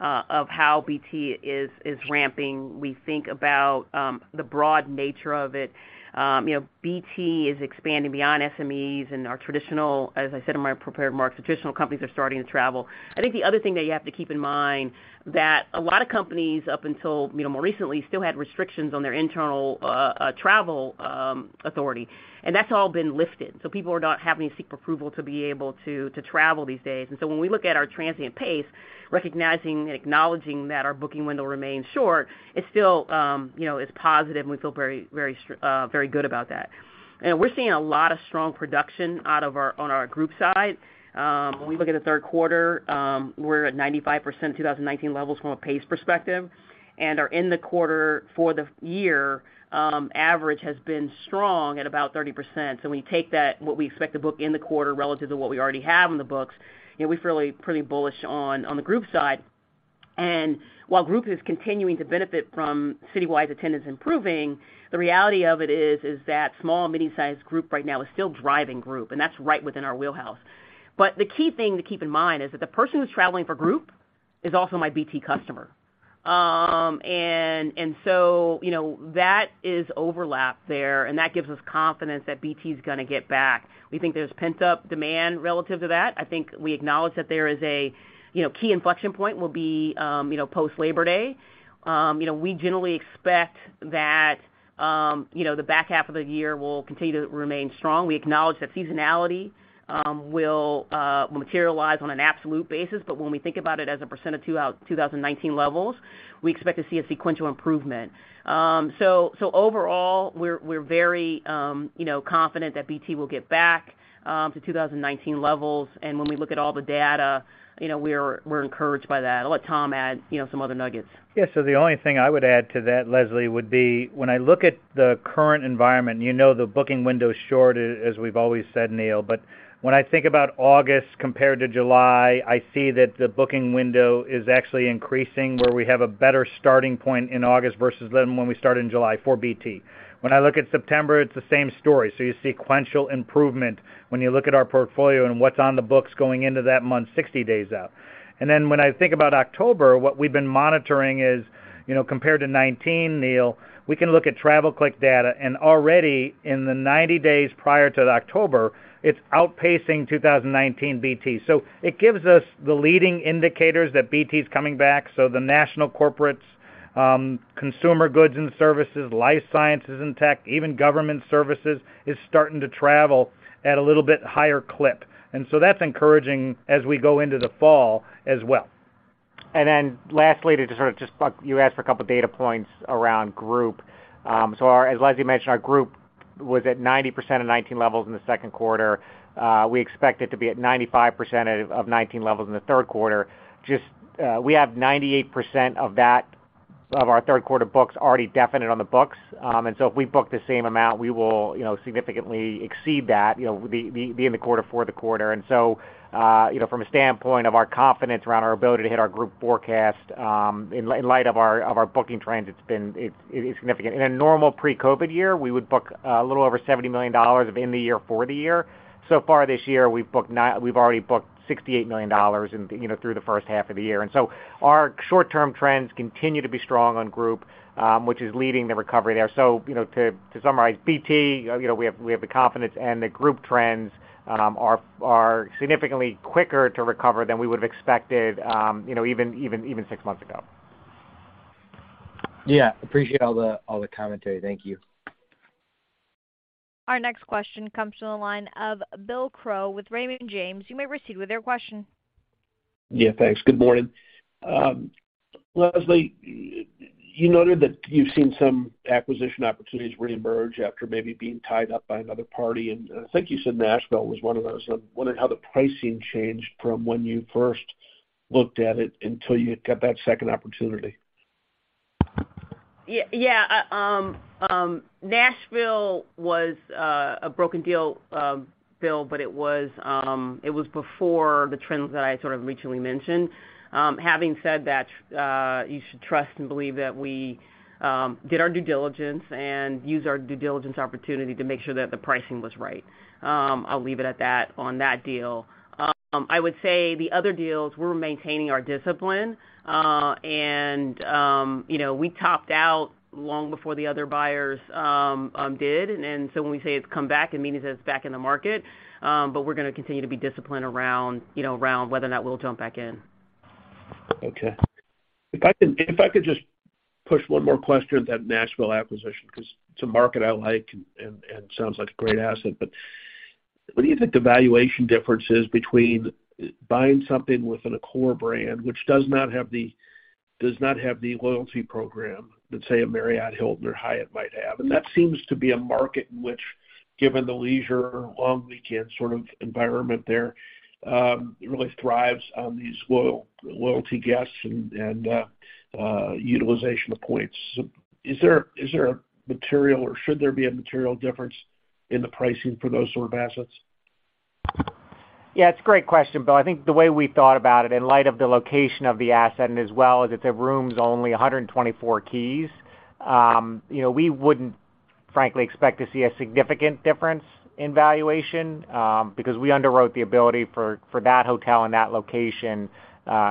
of how BT is ramping, we think about the broad nature of it. You know, BT is expanding beyond SMEs and our traditional, as I said in my prepared remarks, traditional companies are starting to travel. I think the other thing that you have to keep in mind that a lot of companies up until, you know, more recently still had restrictions on their internal travel authority, and that's all been lifted. People are not having to seek approval to travel these days. When we look at our transient pace, recognizing, and acknowledging that our booking window remains short, it's still, you know, it's positive, and we feel very good about that. We're seeing a lot of strong production on our group side. When we look at the Q3, we're at 95% 2019 levels from a pace perspective, and our end-of-quarter for the year average has been strong at about 30%. When you take that, what we expect to book in the quarter relative to what we already have on the books, you know, we feel pretty bullish on the group side. While group is continuing to benefit from citywide attendance improving, the reality of it is that small mini-sized group right now is still driving group, and that's right within our wheelhouse. The key thing to keep in mind is that the person who's traveling for group is also my BT customer. So, you know, that is overlap there, and that gives us confidence that BT is gonna get back. We think there's pent-up demand relative to that. I think we acknowledge that there is a key inflection point, which will be, you know, post Labor Day. You know, we generally expect that, you know, the back half of the year will continue to remain strong. We acknowledge that seasonality will materialize on an absolute basis. When we think about it as a percent of 2019 levels, we expect to see a sequential improvement. Overall, we're very, you know, confident that BT will get back to 2019 levels. When we look at all the data, you know, we're encouraged by that. I'll let Tom add, you know, some other nuggets. Yeah. The only thing I would add to that, Leslie, would be when I look at the current environment, you know, the booking window is short, as we've always said, Neil. When I think about August compared to July, I see that the booking window is actually increasing where we have a better starting point in August versus then when we started in July for BT. When I look at September, it's the same story. You see sequential improvement when you look at our portfolio and what's on the books going into that month, 60 days out. When I think about October, what we've been monitoring is, you know, compared to 2019, Neil, we can look at TravelClick data, and already in the 90 days prior to October, it's outpacing 2019 BT. It gives us the leading indicators that BT is coming back. The national corporates, consumer goods and services, life sciences and tech, even government services, is starting to travel at a little bit higher clip. That's encouraging as we go into the fall as well. Then lastly, to sort of just you asked for a couple data points around group. As Leslie mentioned, our group was at 90% of 2019 levels in the Q2. We expect it to be at 95% of 2019 levels in the Q3. Just, we have 98% of that, of our Q3 books already definite on the books. If we book the same amount, we will, you know, significantly exceed that, you know, be in the quarter for the quarter. From a standpoint of our confidence around our ability to hit our group forecast, in light of our booking trends, it is significant. In a normal pre-COVID year, we would book a little over $70 million of group in the year for the year. So far this year, we've already booked $68 million in group through the first half of the year. Our short-term trends continue to be strong on group, which is leading the recovery there. To summarize BT, we have the confidence and the group trends are significantly quicker to recover than we would have expected, even six months ago. Yeah, appreciate all the commentary. Thank you. Our next question comes from the line of Bill Crow with Raymond James. You may proceed with your question. Yeah, thanks. Good morning. Leslie, you noted that you've seen some acquisition opportunities reemerge after maybe being tied up by another party, and I think you said Nashville was one of those. I wonder how the pricing changed from when you first looked at it until you got that second opportunity. Yeah. Nashville was a broken deal, Bill, but it was before the trends that I sort of recently mentioned. Having said that, you should trust and believe that we did our due diligence and used our due diligence opportunity to make sure that the pricing was right. I'll leave it at that on that deal. I would say the other deals we're maintaining our discipline, and you know, we topped out long before the other buyers did. When we say it's come back, it means that it's back in the market, but we're gonna continue to be disciplined around you know whether or not we'll jump back in. Okay. If I could just push one more question with that Nashville acquisition, because it's a market I like, and sounds like a great asset. What do you think the valuation difference is between buying something within a core brand which does not have the loyalty program that, say, a Marriott, Hilton or Hyatt might have? That seems to be a market in which given the leisure, long weekend sort of environment there, really thrives on these loyalty guests and utilization of points. Is there a material or should there be a material difference in the pricing for those sort of assets? Yeah, it's a great question, Bill. I think the way we thought about it, in light of the location of the asset and as well as it's a rooms only 124 keys, you know, we wouldn't frankly expect to see a significant difference in valuation, because we underwrote the ability for that hotel and that location,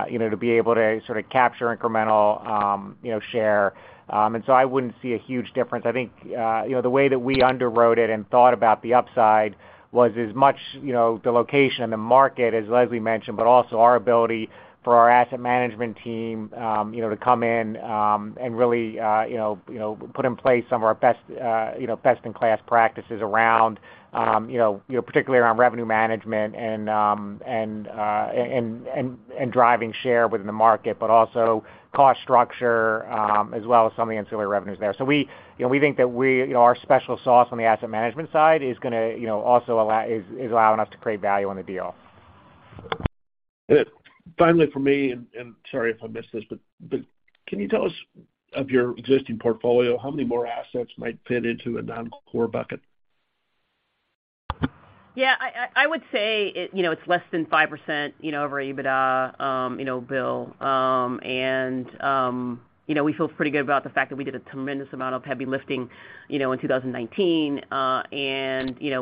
you know, to be able to sort of capture incremental, you know, share. And so I wouldn't see a huge difference. I think, you know, the way that we underwrote it and thought about the upside was as much, you know, the location, the market, as Leslie mentioned, but also our ability for our asset management team, you know, to come in and really, you know, put in place some of our best in class practices around, you know, particularly around revenue management, and driving share within the market, but also cost structure, as well as some of the ancillary revenues there. We, you know, we think that we, you know, our special sauce on the asset management side is gonna, you know, also is allowing us to create value on the deal. Good. Finally for me, and sorry if I missed this, but can you tell us of your existing portfolio how many more assets might fit into a non-core bucket? Yeah, I would say it, you know, it's less than 5%, you know, over EBITDA, you know, Bill. We feel pretty good about the fact that we did a tremendous amount of heavy lifting, you know, in 2019.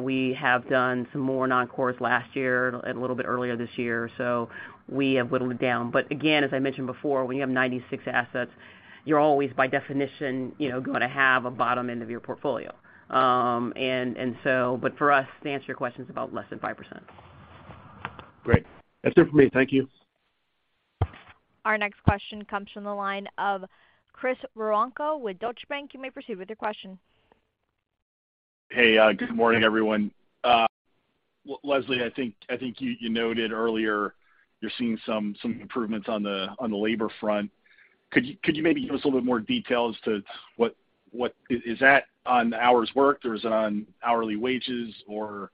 We have done some more non-cores last year a little bit earlier this year, so we have whittled it down. But again, as I mentioned before, when you have 96 assets, you're always by definition, you know, gonna have a bottom end of your portfolio. But for us, to answer your question, it's about less than 5%. Great. That's it for me. Thank you. Our next question comes from the line of Chris Woronka with Deutsche Bank. You may proceed with your question. Hey, good morning, everyone. Leslie, I think you noted earlier you're seeing some improvements on the labor front. Could you maybe give us a little bit more detail as to what is that on the hours worked, or is it on hourly wages or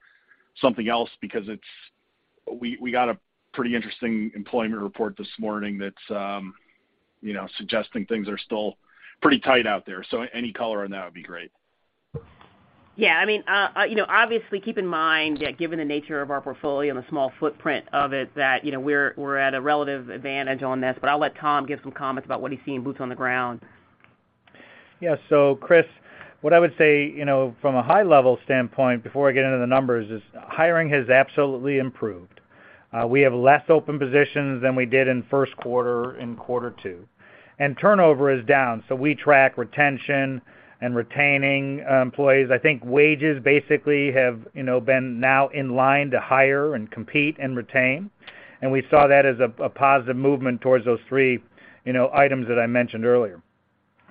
something else? Because it's we got a pretty interesting employment report this morning that's, you know, suggesting things are still pretty tight out there. Any color on that would be great. Yeah, I mean, you know, obviously keep in mind that given the nature of our portfolio and the small footprint of it, that, you know, we're at a relative advantage on this, but I'll let Tom give some comments about what he's seeing boots on the ground. Yeah, Chris, what I would say, you know, from a high level standpoint, before I get into the numbers, is hiring has absolutely improved. We have less open positions than we did in Q1 in Q2, and turnover is down. We track retention and retaining employees. I think wages basically have, you know, been now in line to hire and compete and retain. We saw that as a positive movement towards those three, you know, items that I mentioned earlier.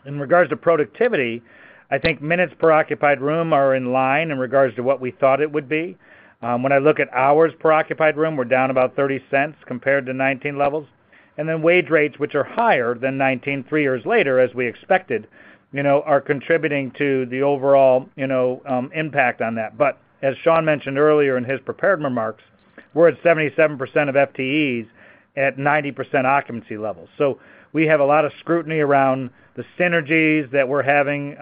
In regards to productivity, I think minutes per occupied room are in line in regards to what we thought it would be. When I look at hours per occupied room, we're down about $0.30 compared to 2019 levels. Wage rates, which are higher than 19 three years later, as we expected, you know, are contributing to the overall, you know, impact on that. As Sean mentioned earlier in his prepared remarks, we're at 77% of FTEs at 90% occupancy levels. We have a lot of scrutiny around the synergies that we're having,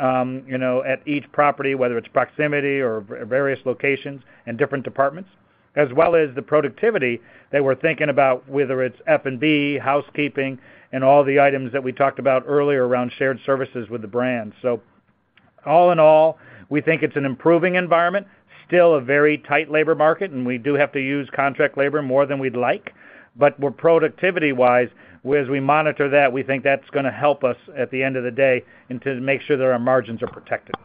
you know, at each property, whether it's proximity or various locations and different departments, as well as the productivity that we're thinking about, whether it's F&B, housekeeping, and all the items that we talked about earlier around shared services with the brand. All in all, we think it's an improving environment, still a very tight labor market, and we do have to use contract labor more than we'd like. We're productivity-wise, as we monitor that, we think that's gonna help us at the end of the day and to make sure that our margins are protected.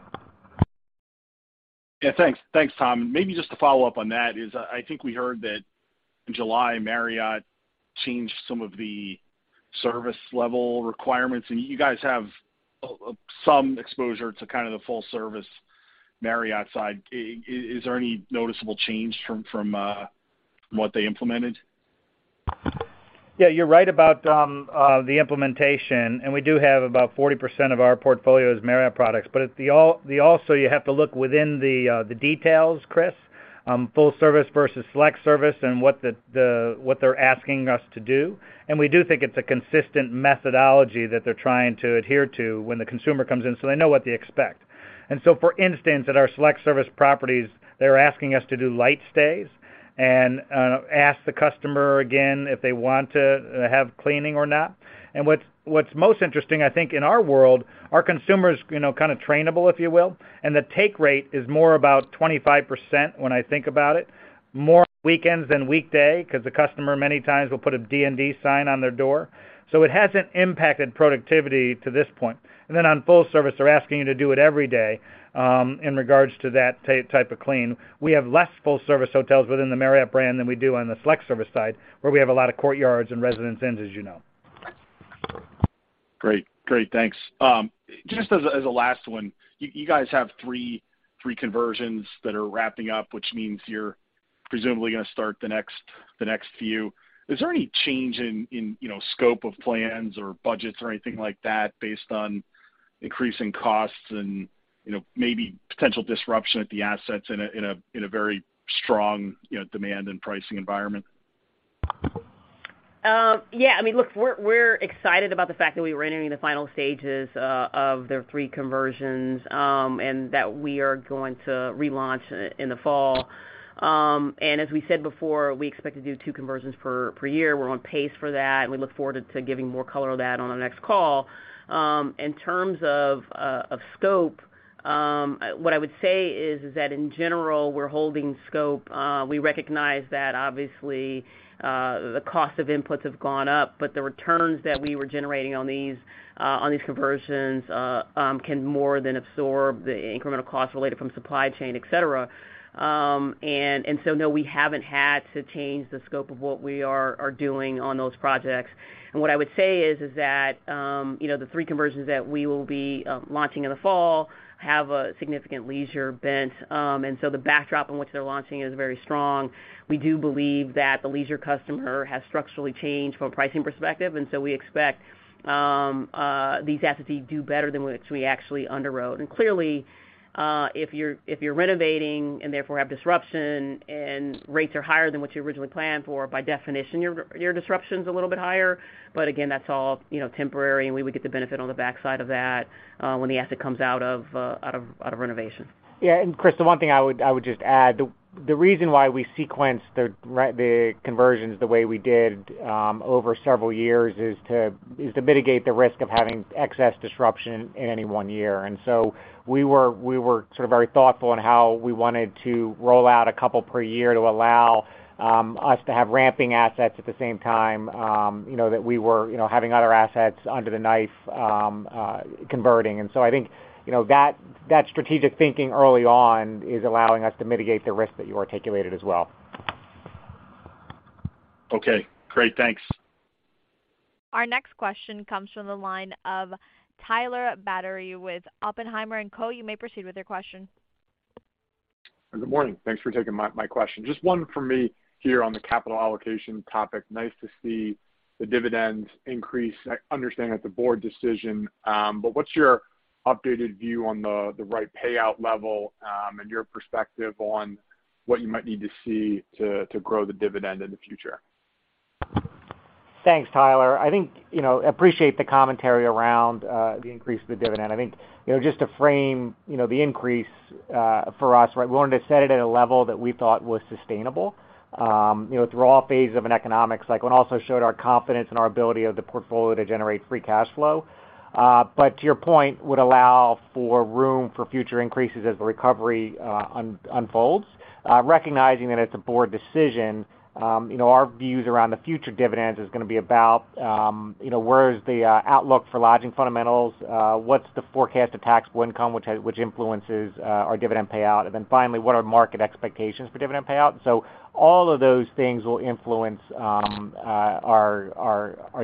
Yeah, thanks. Thanks, Tom. Maybe just to follow up on that is I think we heard that in July, Marriott changed some of the service level requirements, and you guys have some exposure to kind of the full service Marriott side. Is there any noticeable change from what they implemented? Yeah, you're right about the implementation, and we do have about 40% of our portfolio as Marriott products. You have to look within the details, Chris, full service versus select service and what they're asking us to do. We do think it's a consistent methodology that they're trying to adhere to when the consumer comes in, so they know what to expect. For instance, at our select service properties, they're asking us to do light stays and ask the customer again if they want to have cleaning or not. What's most interesting, I think, in our world, our consumer's, you know, kind of trainable, if you will, and the take rate is more about 25% when I think about it, more weekends than weekday because the customer many times will put a DND sign on their door. It hasn't impacted productivity to this point. On full service, they're asking you to do it every day, in regards to that type of clean. We have less full service hotels within the Marriott brand than we do on the select service side, where we have a lot of Courtyards and Residence Inns, as you know. Great. Thanks. Just as a last one, you guys have three conversions that are wrapping up, which means you're presumably gonna start the next few. Is there any change in you know, scope of plans or budgets or anything like that based on increasing costs and, you know, maybe potential disruption at the assets in a very strong, you know, demand and pricing environment? Yeah. I mean, look, we're excited about the fact that we were entering the final stages of their three conversions, and that we are going to relaunch in the fall. As we said before, we expect to do two conversions per year. We're on pace for that. We look forward to giving more color on that on our next call. In terms of scope, what I would say is that in general, we're holding scope. We recognize that obviously, the cost of inputs have gone up, but the returns that we were generating on these conversions can more than absorb the incremental costs related to supply chain, et cetera. No, we haven't had to change the scope of what we are doing on those projects. What I would say is that, you know, the three conversions that we will be launching in the fall have a significant leisure bent. The backdrop in which they're launching is very strong. We do believe that the leisure customer has structurally changed from a pricing perspective, and so we expect these assets to do better than what we actually underwrote. Clearly, if you're renovating and therefore have disruption and rates are higher than what you originally planned for, by definition, your disruption's a little bit higher. Again, that's all, you know, temporary, and we would get the benefit on the backside of that, when the asset comes out of renovation. Yeah, Chris, the one thing I would just add, the reason why we sequenced the conversions the way we did over several years is to mitigate the risk of having excess disruption in any one year. We were sort of very thoughtful in how we wanted to roll out a couple per year to allow us to have ramping assets at the same time, you know, that we were, you know, having other assets under the knife, converting. I think, you know, that strategic thinking early on is allowing us to mitigate the risk that you articulated as well. Okay, great. Thanks. Our next question comes from the line of Tyler Batory with Oppenheimer & Co. You may proceed with your question. Good morning. Thanks for taking my question. Just one for me here on the capital allocation topic. Nice to see the dividends increase. I understand that's a board decision, but what's your updated view on the right payout level, and your perspective on what you might need to see to grow the dividend in the future? Thanks, Tyler. I think, you know, appreciate the commentary around the increase of the dividend. I think, you know, just to frame, you know, the increase for us, right? We wanted to set it at a level that we thought was sustainable, you know, through all phases of an economic cycle, and also showed our confidence in our ability of the portfolio to generate free cash flow. To your point, would allow for room for future increases as the recovery unfolds. Recognizing that it's a board decision, you know, our views around the future dividends is gonna be about, you know, where is the outlook for lodging fundamentals? What's the forecast of taxable income, which influences our dividend payout? Then finally, what are market expectations for dividend payout? All of those things will influence our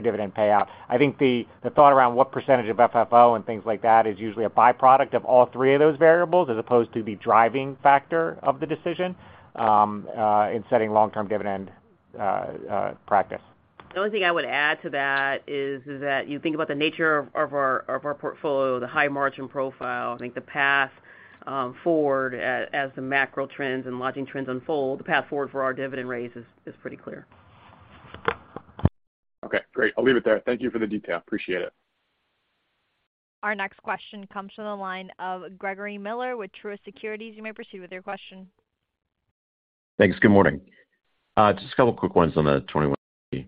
dividend payout. I think the thought around what percentage of FFO and things like that is usually a byproduct of all three of those variables as opposed to the driving factor of the decision in setting long-term dividend practice. The only thing I would add to that is that you think about the nature of our portfolio, the high margin profile. I think the path forward as the macro trends and lodging trends unfold, the path forward for our dividend raise is pretty clear. Okay, great. I'll leave it there. Thank you for the detail. Appreciate it. Our next question comes from the line of Gregory Miller with Truist Securities. You may proceed with your question. Thanks. Good morning. Just a couple of quick ones on the 21c.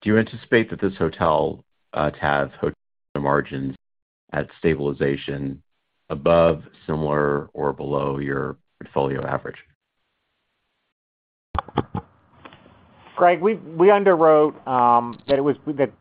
Do you anticipate that this hotel to have hotel margins at stabilization above, similar or below your portfolio average? Greg, we underwrote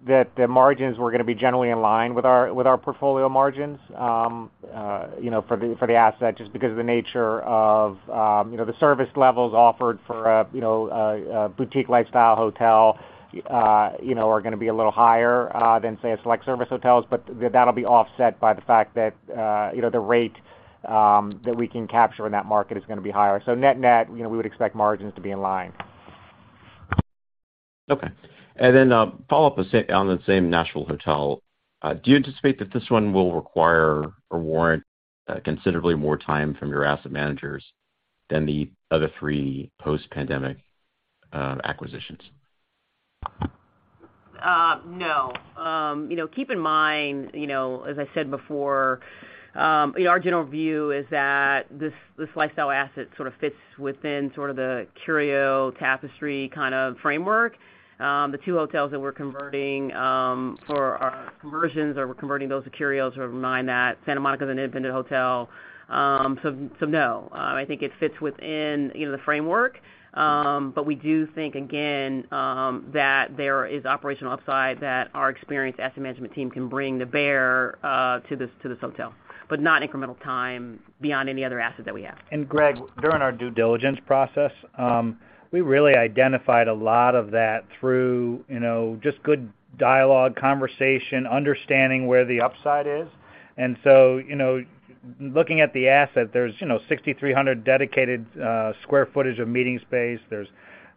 that the margins were gonna be generally in line with our portfolio margins, you know, for the asset, just because of the nature of the service levels offered for a boutique lifestyle hotel, you know, are gonna be a little higher than say select service hotels. But that'll be offset by the fact that the rate that we can capture in that market is gonna be higher. So net-net, you know, we would expect margins to be in line. Okay. A follow-up on the same Nashville hotel. Do you anticipate that this one will require or warrant considerably more time from your asset managers than the other three post-pandemic acquisitions? No. You know, keep in mind, you know, as I said before, our general view is that this lifestyle asset sort of fits within sort of the Curio Tapestry kind of framework. The two hotels that we're converting those to Curios, sort of in mind that Santa Monica is an independent hotel. No. I think it fits within, you know, the framework. But we do think again, that there is operational upside that our experienced asset management team can bring to bear, to this hotel, but not incremental time beyond any other asset that we have. Greg, during our due diligence process, we really identified a lot of that through, you know, just good dialogue, conversation, understanding where the upside is. You know, looking at the asset, there's, you know, 6,300 dedicated sq ft of meeting space. There's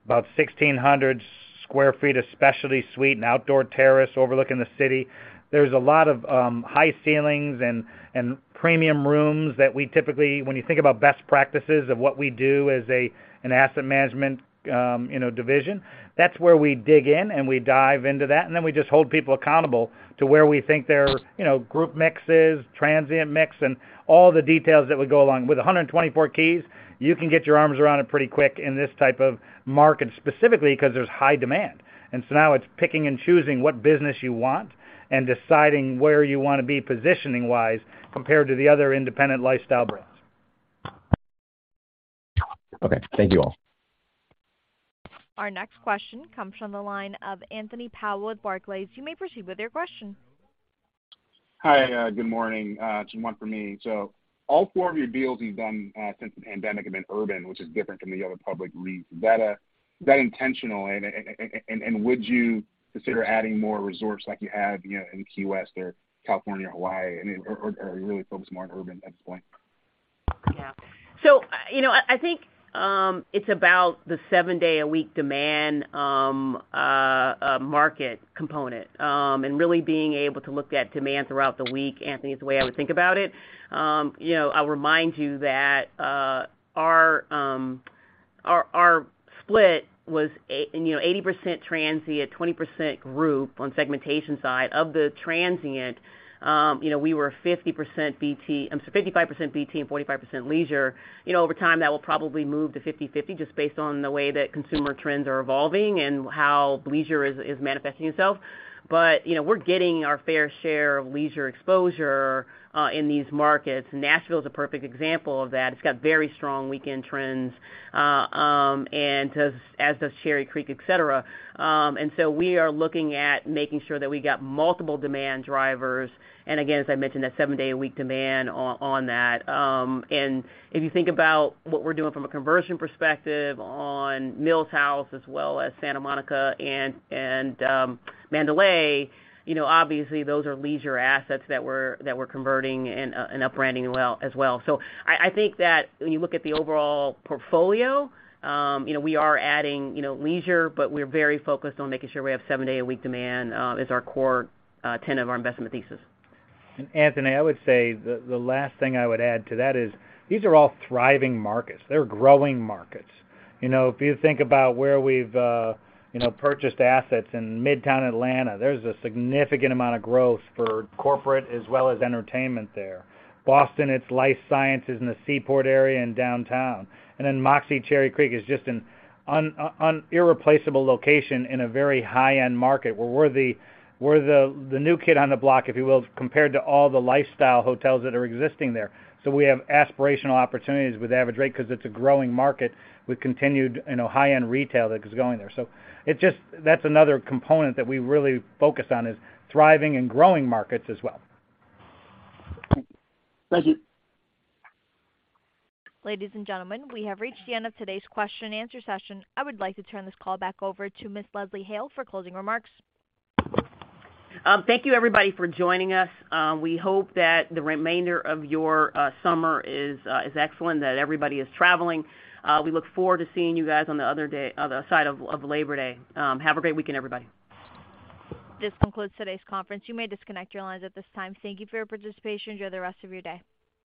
about 1,600 sq ft of specialty suite and outdoor terrace overlooking the city. There's a lot of high ceilings and premium rooms that we typically, when you think about best practices of what we do as a asset management, you know, division, that's where we dig in and we dive into that. Then we just hold people accountable to where we think their, you know, group mix is, transient mix, and all the details that would go along. With 124 keys, you can get your arms around it pretty quick in this type of market, specifically 'cause there's high demand. Now it's picking and choosing what business you want and deciding where you wanna be positioning-wise compared to the other independent lifestyle brands. Okay. Thank you all. Our next question comes from the line of Anthony Powell with Barclays. You may proceed with your question. Hi, good morning. Just one for me. All four of your deals you've done since the pandemic have been urban, which is different from the other public peers. Is that intentional? Would you consider adding more resorts like you have, you know, in Key West or California or Hawaii? I mean, or are you really focused more on urban at this point? You know, I think it's about the seven-day-a-week demand market component and really being able to look at demand throughout the week, Anthony, is the way I would think about it. You know, I'll remind you that our split was you know, 80% transient, 20% group on segmentation side. Of the transient, you know, we were 55% BT and 45% leisure. You know, over time, that will probably move to 50/50, just based on the way that consumer trends are evolving and how leisure is manifesting itself. You know, we're getting our fair share of leisure exposure in these markets. Nashville is a perfect example of that. It's got very strong weekend trends and as does Cherry Creek, et cetera. We are looking at making sure that we got multiple demand drivers, and again, as I mentioned, that seven day a week demand on that. If you think about what we're doing from a conversion perspective on Mills House as well as Santa Monica and Mandalay, you know, obviously those are leisure assets that we're converting and up branding as well. I think that when you look at the overall portfolio, you know, we are adding, you know, leisure, but we're very focused on making sure we have seven day a week demand as our core tenet of our investment thesis. Anthony, I would say the last thing I would add to that is these are all thriving markets. They're growing markets. You know, if you think about where we've you know purchased assets in Midtown Atlanta, there's a significant amount of growth for corporate as well as entertainment there. Boston, it's life sciences in the Seaport area and Downtown. Then Moxy Cherry Creek is just an irreplaceable location in a very high-end market, where we're the new kid on the block, if you will, compared to all the lifestyle hotels that are existing there. We have aspirational opportunities with average rate because it's a growing market with continued you know high-end retail that is going there. It just. That's another component that we really focus on is thriving and growing markets as well. Thank you. Ladies and gentlemen, we have reached the end of today's question and answer session. I would like to turn this call back over to Ms. Leslie Hale for closing remarks. Thank you everybody for joining us. We hope that the remainder of your summer is excellent, that everybody is traveling. We look forward to seeing you guys on the other side of Labor Day. Have a great weekend, everybody. This concludes today's conference. You may disconnect your lines at this time. Thank you for your participation. Enjoy the rest of your day.